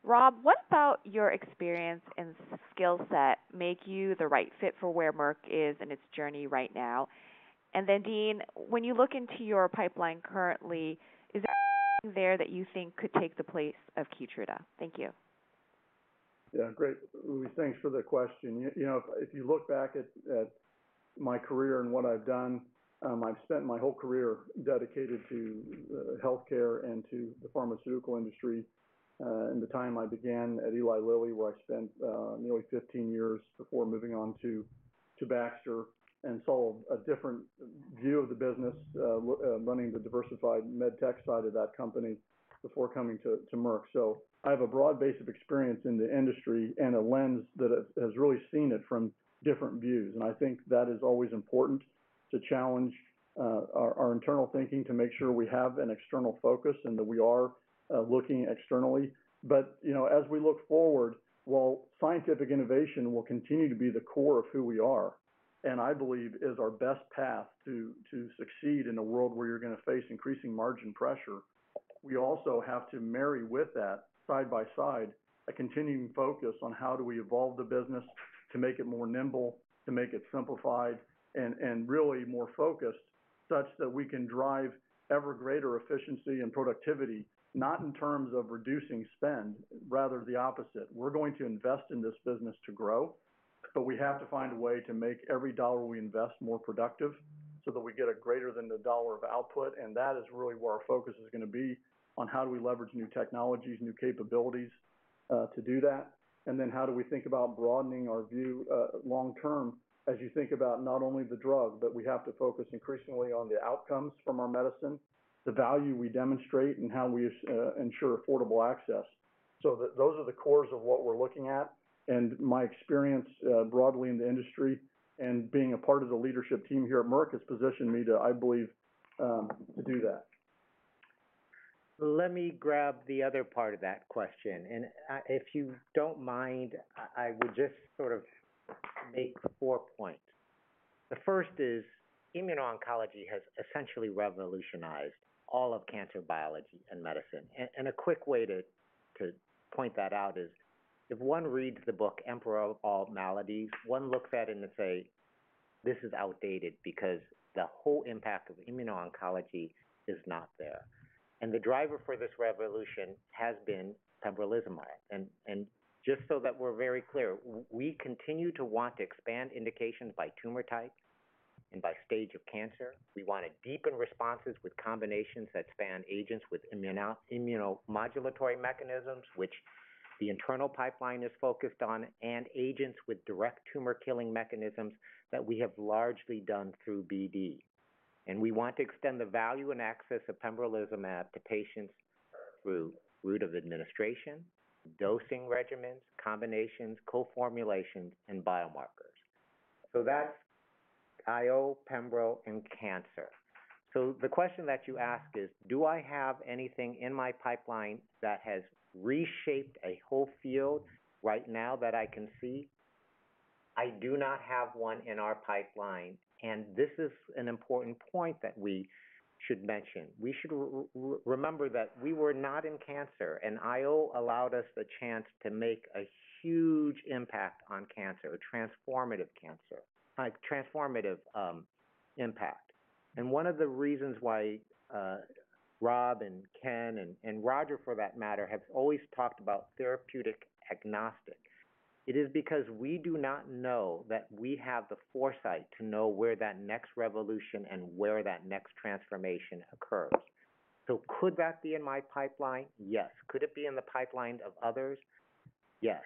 Rob, what about your experience and skillset make you the right fit for where Merck is in its journey right now? Dean, when you look into your pipeline currently, is there that you think could take the place of KEYTRUDA? Thank you. Yeah. Great, Louise. Thanks for the question. If you look back at my career and what I've done, I've spent my whole career dedicated to healthcare and to the pharmaceutical industry. In the time I began at Eli Lilly, where I spent nearly 15 years before moving on to Baxter and saw a different view of the business, running the diversified med tech side of that company before coming to Merck. I have a broad base of experience in the industry and a lens that has really seen it from different views, and I think that is always important to challenge our internal thinking to make sure we have an external focus and that we are looking externally. As we look forward, while scientific innovation will continue to be the core of who we are, and I believe is our best path to succeed in a world where you're going to face increasing margin pressure, we also have to marry with that, side by side, a continuing focus on how do we evolve the business to make it more nimble, to make it simplified, and really more focused such that we can drive ever greater efficiency and productivity, not in terms of reducing spend, rather the opposite. We're going to invest in this business to grow, but we have to find a way to make every dollar we invest more productive so that we get a greater than the dollar of output. That is really where our focus is going to be on how do we leverage new technologies, new capabilities, to do that. How do we think about broadening our view, long-term, as you think about not only the drug, but we have to focus increasingly on the outcomes from our medicine, the value we demonstrate, and how we ensure affordable access. Those are the cores of what we're looking at. My experience broadly in the industry and being a part of the leadership team here at Merck has positioned me to, I believe, do that. Let me grab the other part of that question, and if you don't mind, I would just sort of make four points. A quick way to point that out is if one reads the book, "The Emperor of All Maladies," one looks at it and say, "This is outdated because the whole impact of immuno-oncology is not there." The driver for this revolution has been pembrolizumab. Just so that we're very clear, we continue to want to expand indications by tumor type and by stage of cancer. We want to deepen responses with combinations that span agents with immunomodulatory mechanisms, which the internal pipeline is focused on, and agents with direct tumor-killing mechanisms that we have largely done through BD. We want to extend the value and access of pembrolizumab to patients through route of administration, dosing regimens, combinations, co-formulations, and biomarkers. That's IO, pembrolizumab, and cancer. The question that you ask is, do I have anything in my pipeline that has reshaped a whole field right now that I can see? I do not have one in our pipeline, and this is an important point that we should mention. We should remember that we were not in cancer, and IO allowed us the chance to make a huge impact on cancer, a transformative impact. One of the reasons why Rob and Ken, and Roger for that matter, have always talked about therapeutic agnostic, it is because we do not know that we have the foresight to know where that next revolution and where that next transformation occurs. Could that be in my pipeline? Yes. Could it be in the pipeline of others? Yes.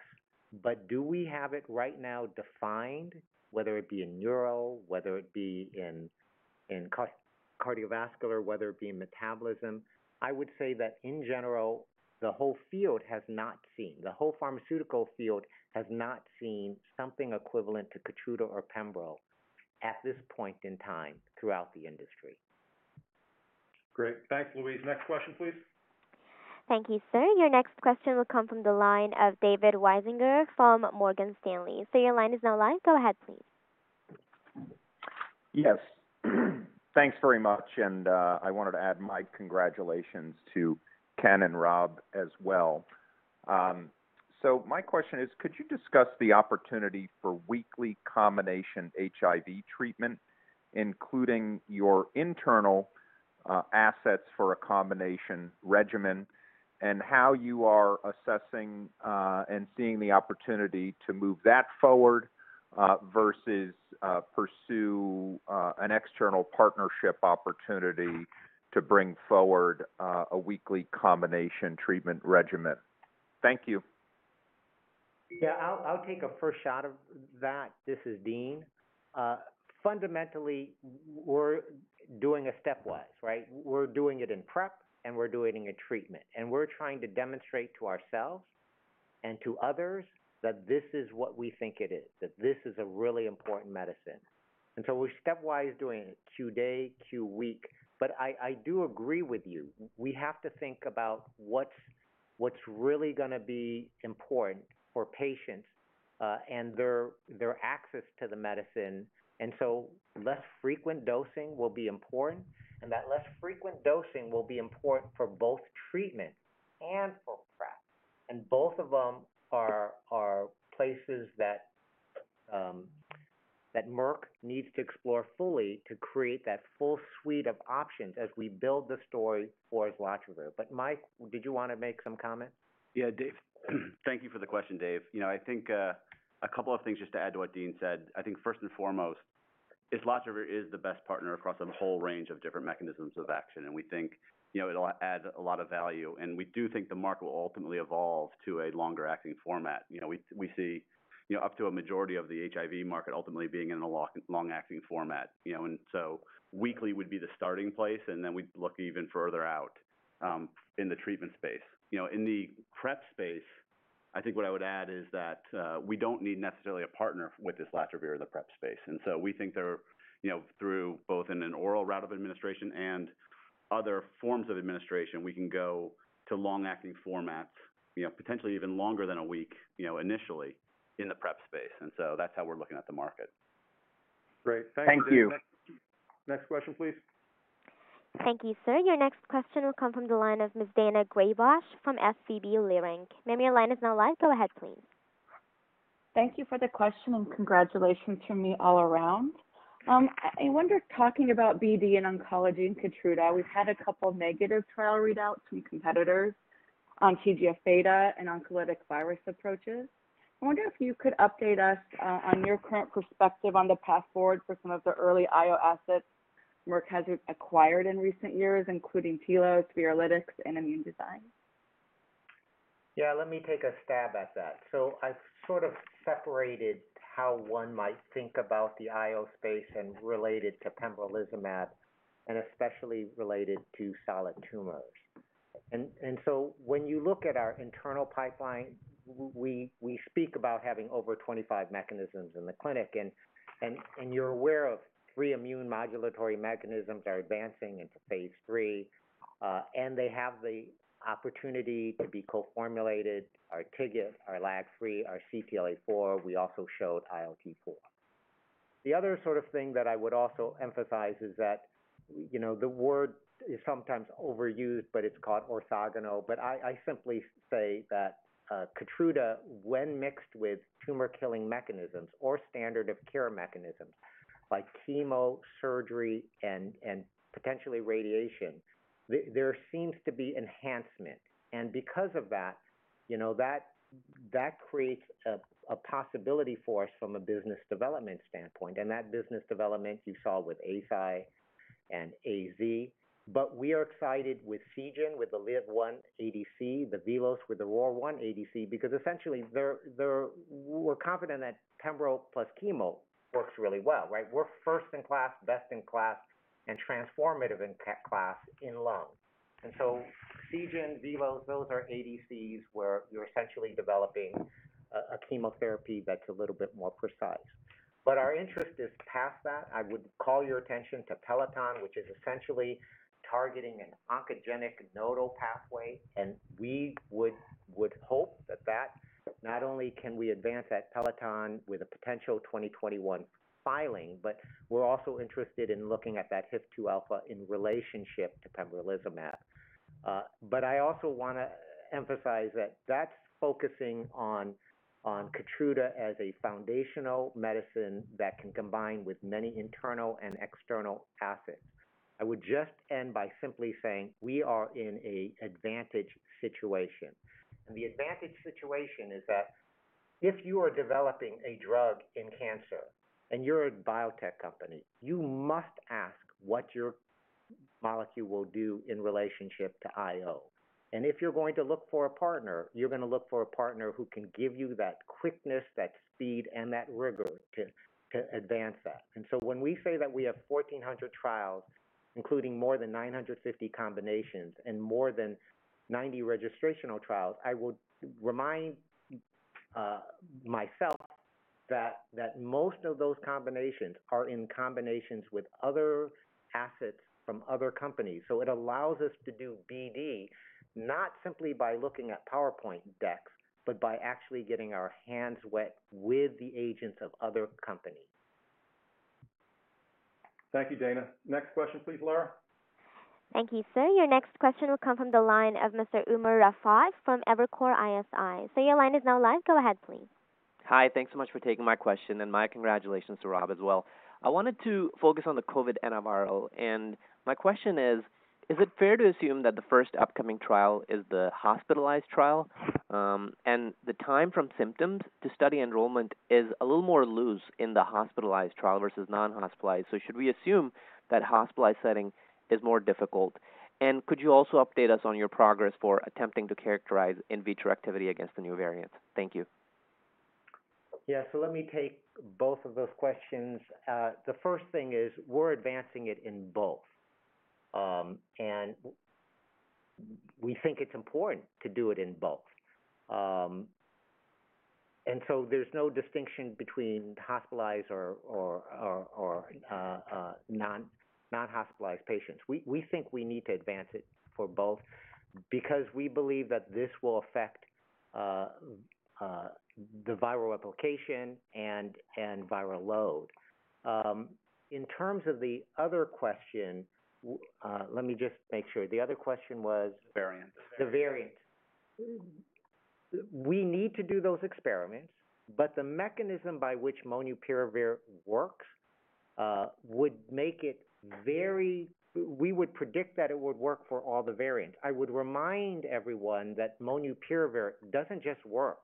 Do we have it right now defined, whether it be in neuro, whether it be in cardiovascular, whether it be in metabolism? I would say that in general, the whole field has not seen, the whole pharmaceutical field has not seen something equivalent to KEYTRUDA or pembrolizumab at this point in time throughout the industry. Great. Thanks, Louise. Next question please. Thank you, sir. Your next question will come from the line of David Risinger from Morgan Stanley. Sir, your line is now live. Go ahead, please. Yes. Thanks very much. I wanted to add my congratulations to Ken and Rob as well. My question is, could you discuss the opportunity for weekly combination HIV treatment, including your internal assets for a combination regimen, and how you are assessing and seeing the opportunity to move that forward, versus pursue an external partnership opportunity to bring forward a weekly combination treatment regimen? Thank you. Yeah, I'll take a first shot of that. This is Dean. Fundamentally, we're doing a stepwise, right? We're doing it in PrEP, and we're doing a treatment. We're trying to demonstrate to ourselves and to others that this is what we think it is, that this is a really important medicine. So we're stepwise doing it Q Day, Q Week. I do agree with you. We have to think about what's really going to be important for patients and their access to the medicine. So less frequent dosing will be important, and that less frequent dosing will be important for both treatment and for PrEP. Both of them are places that Merck needs to explore fully to create that full suite of options as we build the story for islatravir. Mike, did you want to make some comment? Thank you for the question, Dave. I think a couple of things just to add to what Dean said. I think first and foremost, islatravir is the best partner across a whole range of different mechanisms of action, and we think it'll add a lot of value. We do think the market will ultimately evolve to a longer-acting format. We see up to a majority of the HIV market ultimately being in a long-acting format. So weekly would be the starting place, and then we'd look even further out in the treatment space. In the PrEP space, I think what I would add is that we don't need necessarily a partner with islatravir in the PrEP space. We think through both in an oral route of administration and other forms of administration, we can go to long-acting formats, potentially even longer than a week, initially in the PrEP space. That's how we're looking at the market. Great. Thank you. Thank you. Next question, please. Thank you, sir. Your next question will come from the line of Ms. Daina Graybosch from SVB Leerink. Ma'am, your line is now live. Go ahead, please. Thank you for the question, and congratulations from me all around. I wonder, talking about BD and oncology and KEYTRUDA, we've had a couple negative trial readouts from competitors on TGF-beta and oncolytic virus approaches. I wonder if you could update us on your current perspective on the path forward for some of the early IO assets Merck has acquired in recent years, including Peloton, Viralytics, and Immune Design. Yeah, let me take a stab at that. I've sort of separated how one might think about the IO space and relate it to pembrolizumab, and especially relate it to solid tumors. When you look at our internal pipeline, we speak about having over 25 mechanisms in the clinic, and you're aware of three immune modulatory mechanisms are advancing into phase III. They have the opportunity to be co-formulated, our TIGIT, our LAG-3, our CTLA-4. We also showed ILT4. The other sort of thing that I would also emphasize is that the word is sometimes overused, but it's called orthogonal. I simply say that KEYTRUDA, when mixed with tumor-killing mechanisms or standard of care mechanisms like chemo, surgery, and potentially radiation, there seems to be enhancement. Because of that creates a possibility for us from a business development standpoint. That business development you saw with Eisai and AstraZeneca. We are excited with Seagen, with the LIV-1 ADC, VelosBio with the ROR1 ADC, because essentially, we're confident that pembrolizumab plus chemo works really well, right? We're first in class, best in class, and transformative in class in lung. Seagen, VelosBio, those are ADCs where you're essentially developing a chemotherapy that's a little bit more precise. Our interest is past that. I would call your attention to Peloton, which is essentially targeting an oncogenic nodal pathway, and we would hope that not only can we advance that Peloton with a potential 2021 filing, but we're also interested in looking at that HIF-2α in relationship to pembrolizumab. I also want to emphasize that that's focusing on KEYTRUDA as a foundational medicine that can combine with many internal and external assets. I would just end by simply saying we are in an advantage situation. The advantage situation is that if you are developing a drug in cancer and you're a biotech company, you must ask what your molecule will do in relationship to IO. If you're going to look for a partner, you're going to look for a partner who can give you that quickness, that speed, and that rigor to advance that. When we say that we have 1,400 trials, including more than 950 combinations and more than 90 registrational trials, I would remind myself that most of those combinations are in combinations with other assets from other companies. It allows us to do BD, not simply by looking at PowerPoint decks, but by actually getting our hands wet with the agents of other companies. Thank you, Daina. Next question, please, Lara. Thank you, sir. Your next question will come from the line of Mr. Umer Raffat from Evercore ISI. Sir, your line is now live. Go ahead, please. Hi. Thanks so much for taking my question and my congratulations to Rob as well. I wanted to focus on the COVID mRNA. My question is it fair to assume that the first upcoming trial is the hospitalized trial? The time from symptoms to study enrollment is a little more loose in the hospitalized trial versus non-hospitalized. Should we assume that hospitalized setting is more difficult? Could you also update us on your progress for attempting to characterize in vitro activity against the new variants? Thank you. Yeah. Let me take both of those questions. The first thing is we're advancing it in both, and we think it's important to do it in both. There's no distinction between hospitalized or non-hospitalized patients. We think we need to advance it for both because we believe that this will affect the viral replication and viral load. In terms of the other question, let me just make sure. The variant The variant. We need to do those experiments, the mechanism by which molnupiravir works would make it. We would predict that it would work for all the variants. I would remind everyone that molnupiravir doesn't just work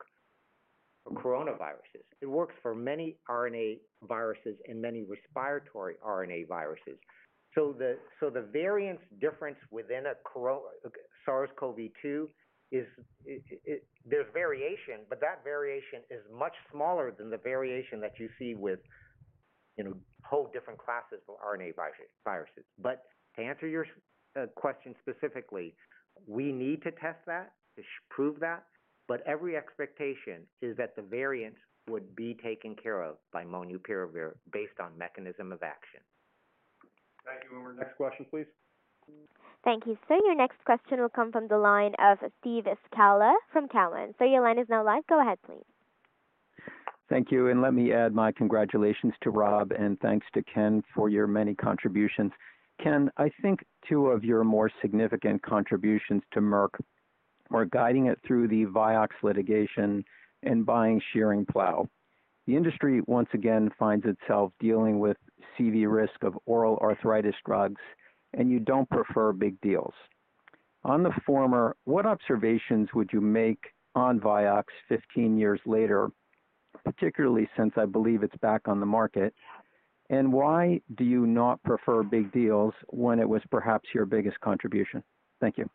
for coronaviruses. It works for many RNA viruses and many respiratory RNA viruses. The variance difference within SARS-CoV-2 is, there's variation, but that variation is much smaller than the variation that you see with whole different classes of RNA viruses. To answer your question specifically, we need to test that, to prove that, but every expectation is that the variant would be taken care of by molnupiravir based on mechanism of action. Thank you, Umer. Next question, please. Thank you, sir. Your next question will come from the line of Steve Scala from Cowen. Sir, your line is now live. Go ahead, please. Thank you. Let me add my congratulations to Rob, and thanks to Ken for your many contributions. Ken, I think two of your more significant contributions to Merck were guiding it through the VIOXX litigation and buying Schering-Plough. The industry once again finds itself dealing with CV risk of oral arthritis drugs, and you don't prefer big deals. On the former, what observations would you make on VIOXX 15 years later, particularly since I believe it's back on the market? Why do you not prefer big deals when it was perhaps your biggest contribution? Thank you.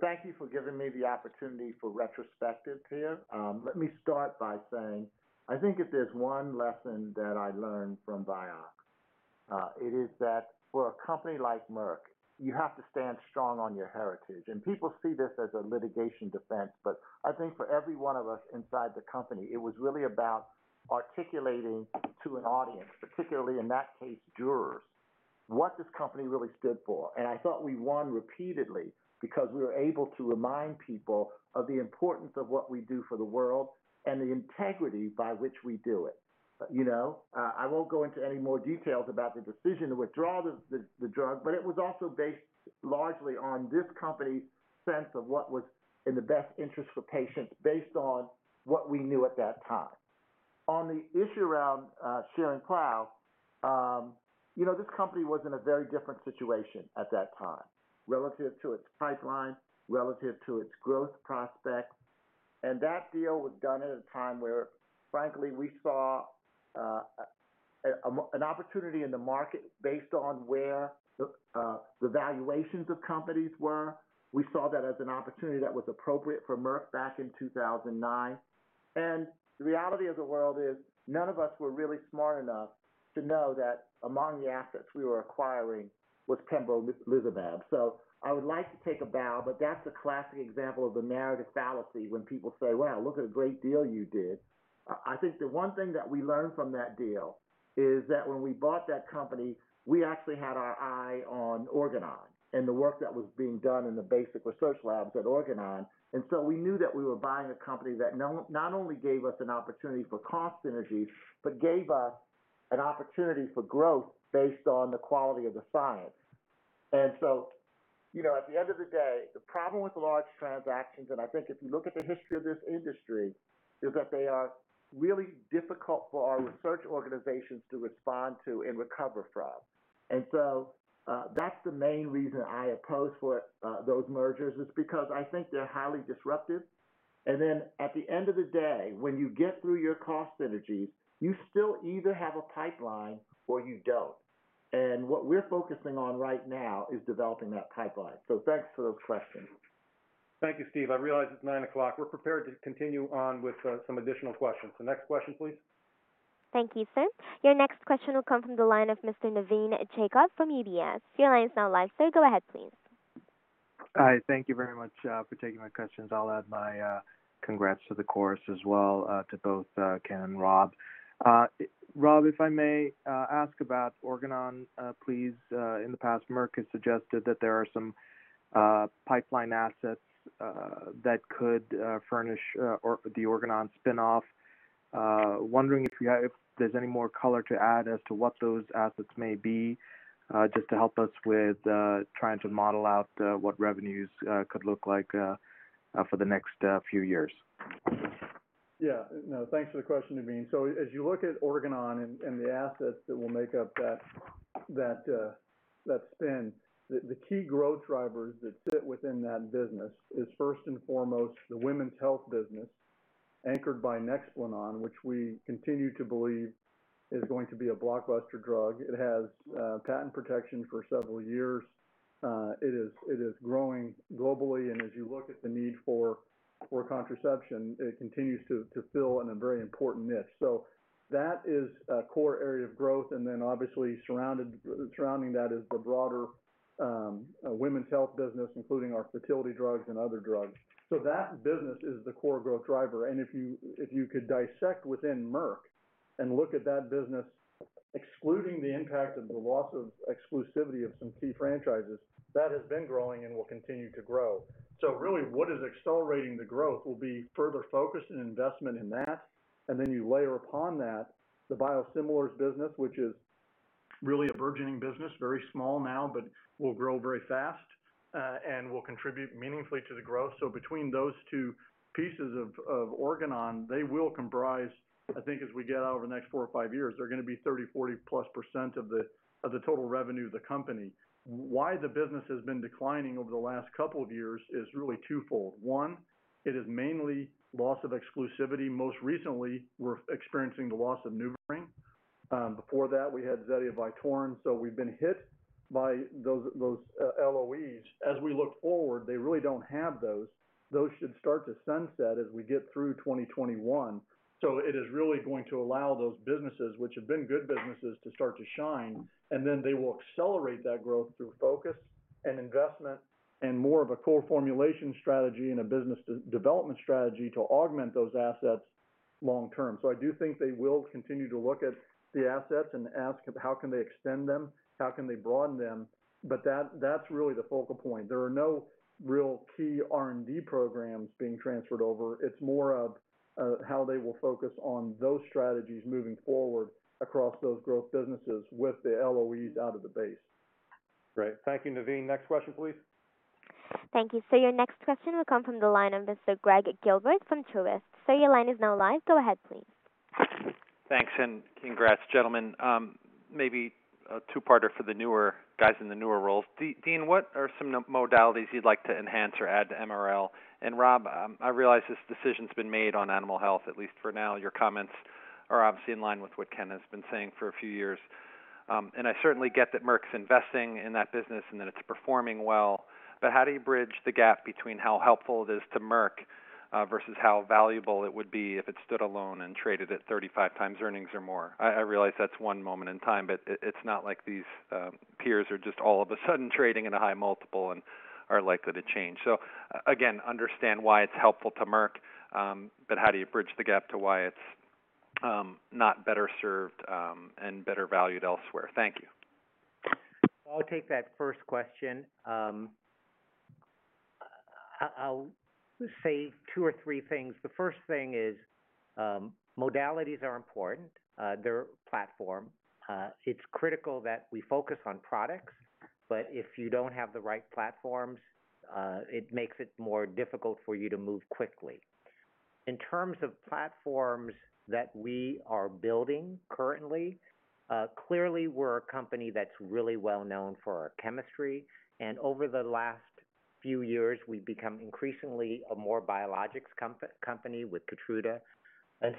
Thank you for giving me the opportunity for retrospective here. Let me start by saying, I think if there's one lesson that I learned from VIOXX, it is that for a company like Merck, you have to stand strong on your heritage. People see this as a litigation defense, but I think for every one of us inside the company, it was really about articulating to an audience, particularly in that case, jurors, what this company really stood for. I thought we won repeatedly because we were able to remind people of the importance of what we do for the world and the integrity by which we do it. I won't go into any more details about the decision to withdraw the drug, but it was also based largely on this company's sense of what was in the best interest for patients based on what we knew at that time. On the issue around Schering-Plough, this company was in a very different situation at that time relative to its pipeline, relative to its growth prospects. That deal was done at a time where, frankly, we saw an opportunity in the market based on where the valuations of companies were. We saw that as an opportunity that was appropriate for Merck back in 2009. The reality of the world is none of us were really smart enough to know that among the assets we were acquiring was pembrolizumab. I would like to take a bow, but that's a classic example of the narrative fallacy when people say, "Wow, look at the great deal you did." I think the one thing that we learned from that deal is that when we bought that company, we actually had our eye on Organon and the work that was being done in the basic research labs at Organon. We knew that we were buying a company that not only gave us an opportunity for cost synergy, but gave us an opportunity for growth based on the quality of the science. At the end of the day, the problem with large transactions, and I think if you look at the history of this industry, is that they are really difficult for our research organizations to respond to and recover from. That's the main reason I oppose those mergers, is because I think they're highly disruptive. At the end of the day, when you get through your cost synergies, you still either have a pipeline or you don't. What we're focusing on right now is developing that pipeline. Thanks for those questions. Thank you, Steve. I realize it's nine o'clock. We're prepared to continue on with some additional questions. The next question, please? Thank you, sir. Your next question will come from the line of Mr. Navin Jacob from UBS. Your line is now live, sir. Go ahead, please. Hi, thank you very much for taking my questions. I'll add my congrats to the course as well, to both Ken and Rob. Rob, if I may ask about Organon, please? In the past, Merck has suggested that there are some pipeline assets that could furnish the Organon spinoff. Wondering if there's any more color to add as to what those assets may be, just to help us with trying to model out what revenues could look like for the next few years. No, thanks for the question, Navin. As you look at Organon and the assets that will make up that spin, the key growth drivers that fit within that business is first and foremost the women's health business, anchored by NEXPLANON, which we continue to believe is going to be a blockbuster drug. It has patent protection for several years. It is growing globally. As you look at the need for contraception, it continues to fill in a very important niche. That is a core area of growth. Obviously surrounding that is the broader women's health business, including our fertility drugs and other drugs. That business is the core growth driver. If you could dissect within Merck and look at that business, excluding the impact of the loss of exclusivity of some key franchises, that has been growing and will continue to grow. Really what is accelerating the growth will be further focus and investment in that, and then you layer upon that the biosimilars business, which is really a burgeoning business, very small now, but will grow very fast, and will contribute meaningfully to the growth. Between those two pieces of Organon, they will comprise, I think as we get out over the next four or five years, they're going to be 30%, 40%+ of the total revenue of the company. Why the business has been declining over the last couple of years is really twofold. One, it is mainly loss of exclusivity. Most recently, we're experiencing the loss of NuvaRing. Before that, we had ZETIA and VYTORIN, so we've been hit by those LOEs. As we look forward, they really don't have those. Those should start to sunset as we get through 2021. It is really going to allow those businesses, which have been good businesses, to start to shine, they will accelerate that growth through focus and investment and more of a co-formulation strategy and a business development strategy to augment those assets long-term. I do think they will continue to look at the assets and ask how can they extend them, how can they broaden them, but that's really the focal point. There are no real key R&D programs being transferred over. It's more of how they will focus on those strategies moving forward across those growth businesses with the LOEs out of the base. Great. Thank you, Navin. Next question please. Thank you. Your next question will come from the line of Mr. Gregg Gilbert from Truist. Sir, your line is now live. Go ahead, please. Thanks, and congrats, gentlemen. Maybe a two-parter for the newer guys in the newer roles. Dean, what are some modalities you'd like to enhance or add to MRL? Rob, I realize this decision's been made on animal health, at least for now. Your comments are obviously in line with what Ken has been saying for a few years. I certainly get that Merck's investing in that business and that it's performing well, but how do you bridge the gap between how helpful it is to Merck, versus how valuable it would be if it stood alone and traded at 35x earnings or more? I realize that's one moment in time, but it's not like these peers are just all of a sudden trading at a high multiple and are likely to change. Again, understand why it's helpful to Merck, but how do you bridge the gap to why it's not better served, and better valued elsewhere? Thank you. I'll take that first question. I'll say two or three things. The first thing is, modalities are important. They're a platform. It's critical that we focus on products, but if you don't have the right platforms, it makes it more difficult for you to move quickly. In terms of platforms that we are building currently, clearly we're a company that's really well known for our chemistry, and over the last few years, we've become increasingly a more biologics company with KEYTRUDA.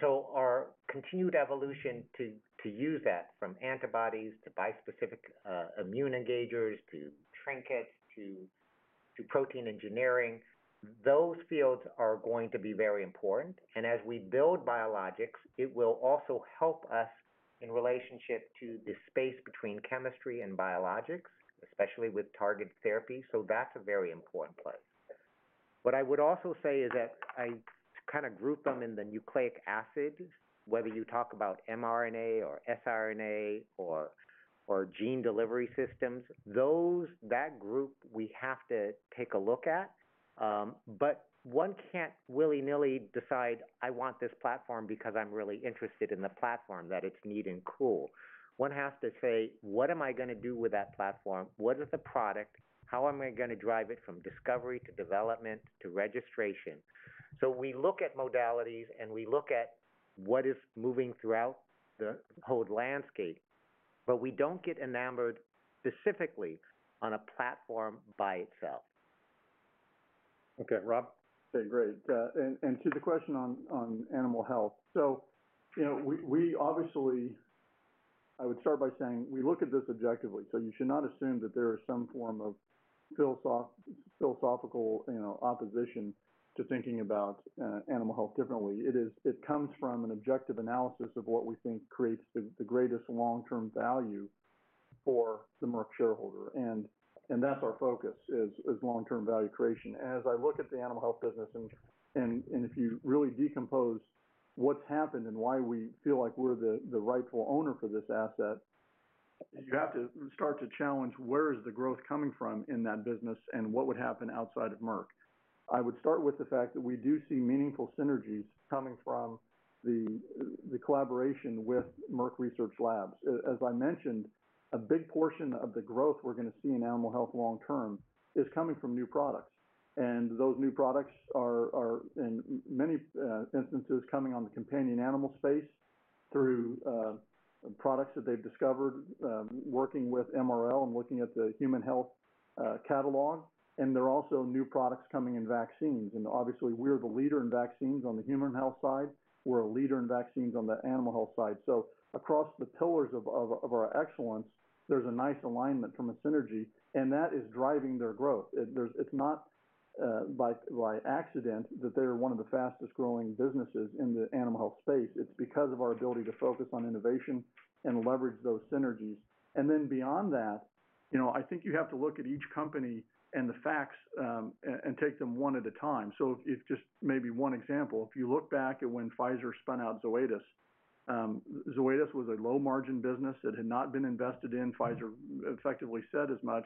Our continued evolution to use that, from antibodies to bispecific immune engagers to TriNKETs to protein engineering, those fields are going to be very important, and as we build biologics, it will also help us in relationship to the space between chemistry and biologics, especially with targeted therapy. That's a very important place. What I would also say is that I kind of group them in the nucleic acids, whether you talk about mRNA or siRNA or gene delivery systems, that group we have to take a look at. One can't willy-nilly decide, "I want this platform because I'm really interested in the platform, that it's neat and cool." One has to say, "What am I going to do with that platform? What is the product? How am I going to drive it from discovery to development to registration?" We look at modalities, and we look at what is moving throughout the whole landscape, but we don't get enamored specifically on a platform by itself. Okay, Rob? Okay, great. To the question on animal health. We obviously, I would start by saying we look at this objectively, so you should not assume that there is some form of philosophical opposition to thinking about animal health differently. It comes from an objective analysis of what we think creates the greatest long-term value for the Merck shareholder. That's our focus, is long-term value creation. As I look at the Animal Health business, and if you really decompose what's happened and why we feel like we're the rightful owner for this asset, you have to start to challenge where is the growth coming from in that business and what would happen outside of Merck? I would start with the fact that we do see meaningful synergies coming from the collaboration with Merck Research Labs. As I mentioned, a big portion of the growth we're going to see in animal health long term is coming from new products. Those new products are, in many instances, coming on the companion animal space through products that they've discovered, working with MRL and looking at the human health catalog. There are also new products coming in vaccines, and obviously, we're the leader in vaccines on the Human Health side. We're a leader in vaccines on the Animal Health side. Across the pillars of our excellence, there's a nice alignment from a synergy, and that is driving their growth. It's not by accident that they're one of the fastest-growing businesses in the animal health space. It's because of our ability to focus on innovation and leverage those synergies. Beyond that, I think you have to look at each company and the facts, and take them one at a time. Just maybe one example. If you look back at when Pfizer spun out Zoetis was a low-margin business that had not been invested in, Pfizer effectively said as much.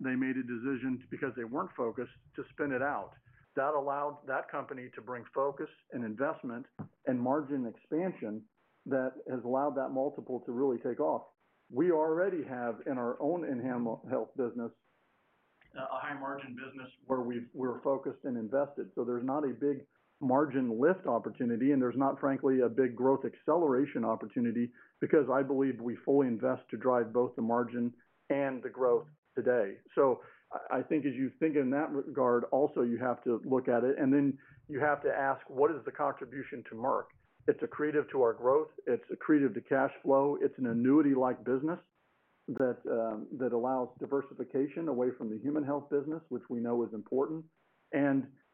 They made a decision, because they weren't focused, to spin it out. That allowed that company to bring focus and investment and margin expansion that has allowed that multiple to really take off. We already have, in our own Animal Health business, a high-margin business where we're focused and invested. There's not a big margin lift opportunity, and there's not, frankly, a big growth acceleration opportunity because I believe we fully invest to drive both the margin and the growth today. I think as you think in that regard, also, you have to look at it, and then you have to ask what is the contribution to Merck? It's accretive to our growth. It's accretive to cash flow. It's an annuity-like business that allows diversification away from the human health business, which we know is important.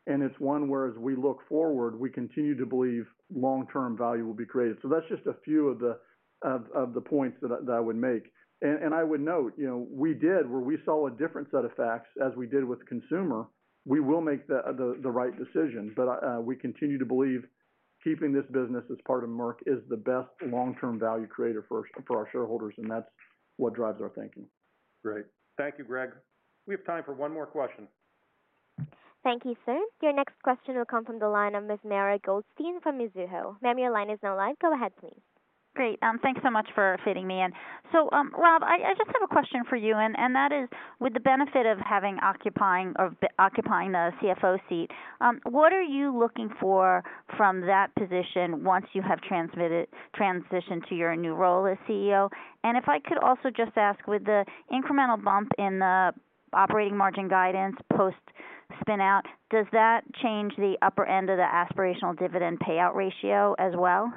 It's one where, as we look forward, we continue to believe long-term value will be created. That's just a few of the points that I would make. I would note, we did, where we saw a different set of facts as we did with consumer, we will make the right decision. We continue to believe keeping this business as part of Merck is the best long-term value creator for our shareholders, and that's what drives our thinking. Great. Thank you, Gregg. We have time for one more question. Thank you, sir. Your next question will come from the line of Ms. Mara Goldstein from Mizuho. Ma'am, your line is now live. Go ahead, please. Great. Thanks so much for fitting me in. Rob, I just have a question for you, and that is, with the benefit of occupying the CFO seat, what are you looking for from that position once you have transitioned to your new role as CEO? If I could also just ask, with the incremental bump in the operating margin guidance post-spin-out, does that change the upper end of the aspirational dividend payout ratio as well?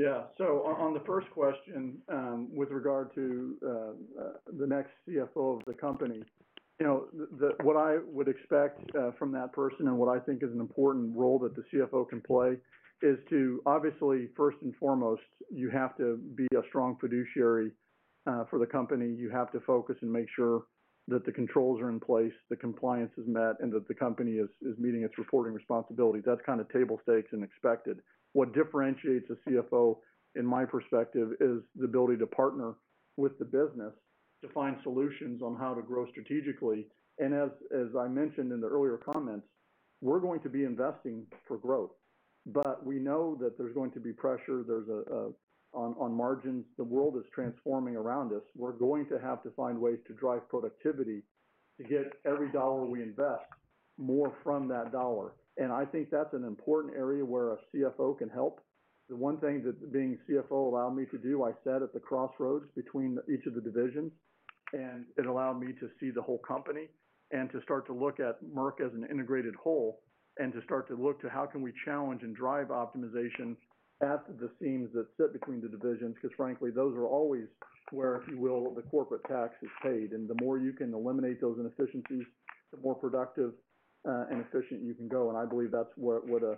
Yeah. On the first question, with regard to the next CFO of the company. What I would expect from that person and what I think is an important role that the CFO can play is to obviously, first and foremost, you have to be a strong fiduciary for the company. You have to focus and make sure that the controls are in place, the compliance is met, and that the company is meeting its reporting responsibilities. That's kind of table stakes and expected. What differentiates a CFO, in my perspective, is the ability to partner with the business to find solutions on how to grow strategically. As I mentioned in the earlier comments, we're going to be investing for growth. We know that there's going to be pressure on margins. The world is transforming around us. We're going to have to find ways to drive productivity to get every dollar we invest, more from that dollar. I think that's an important area where a CFO can help. The one thing that being CFO allowed me to do, I sat at the crossroads between each of the divisions, and it allowed me to see the whole company and to start to look at Merck as an integrated whole and to start to look to how can we challenge and drive optimization at the seams that sit between the divisions. Frankly, those are always where, if you will, the corporate tax is paid. The more you can eliminate those inefficiencies, the more productive and efficient you can go. I believe that's what a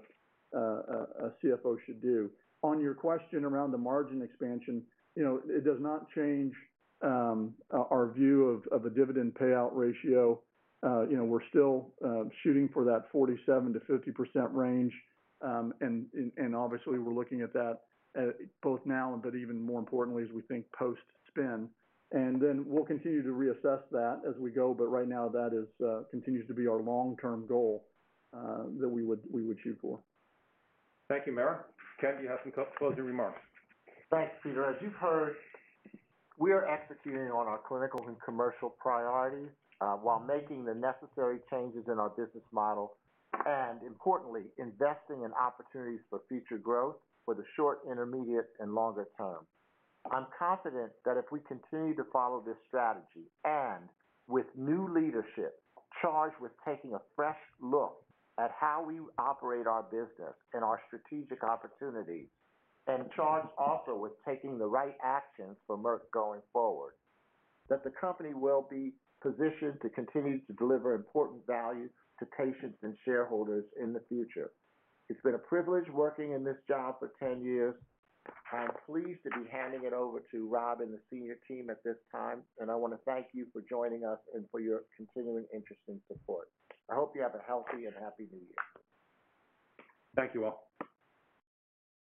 CFO should do. On your question around the margin expansion, it does not change our view of a dividend payout ratio. We're still shooting for that 47%-50% range, and obviously, we're looking at that both now, but even more importantly, as we think post-spin. We'll continue to reassess that as we go, but right now, that continues to be our long-term goal that we would shoot for. Thank you, Mara. Ken, do you have some closing remarks? Thanks, Peter. As you've heard, we are executing on our clinical and commercial priorities while making the necessary changes in our business model and importantly, investing in opportunities for future growth for the short, intermediate, and longer term. I'm confident that if we continue to follow this strategy, and with new leadership charged with taking a fresh look at how we operate our business and our strategic opportunities and charged also with taking the right actions for Merck going forward, that the company will be positioned to continue to deliver important value to patients and shareholders in the future. It's been a privilege working in this job for 10 years. I'm pleased to be handing it over to Rob and the senior team at this time, and I want to thank you for joining us and for your continuing interest and support. I hope you have a healthy and happy new year. Thank you all.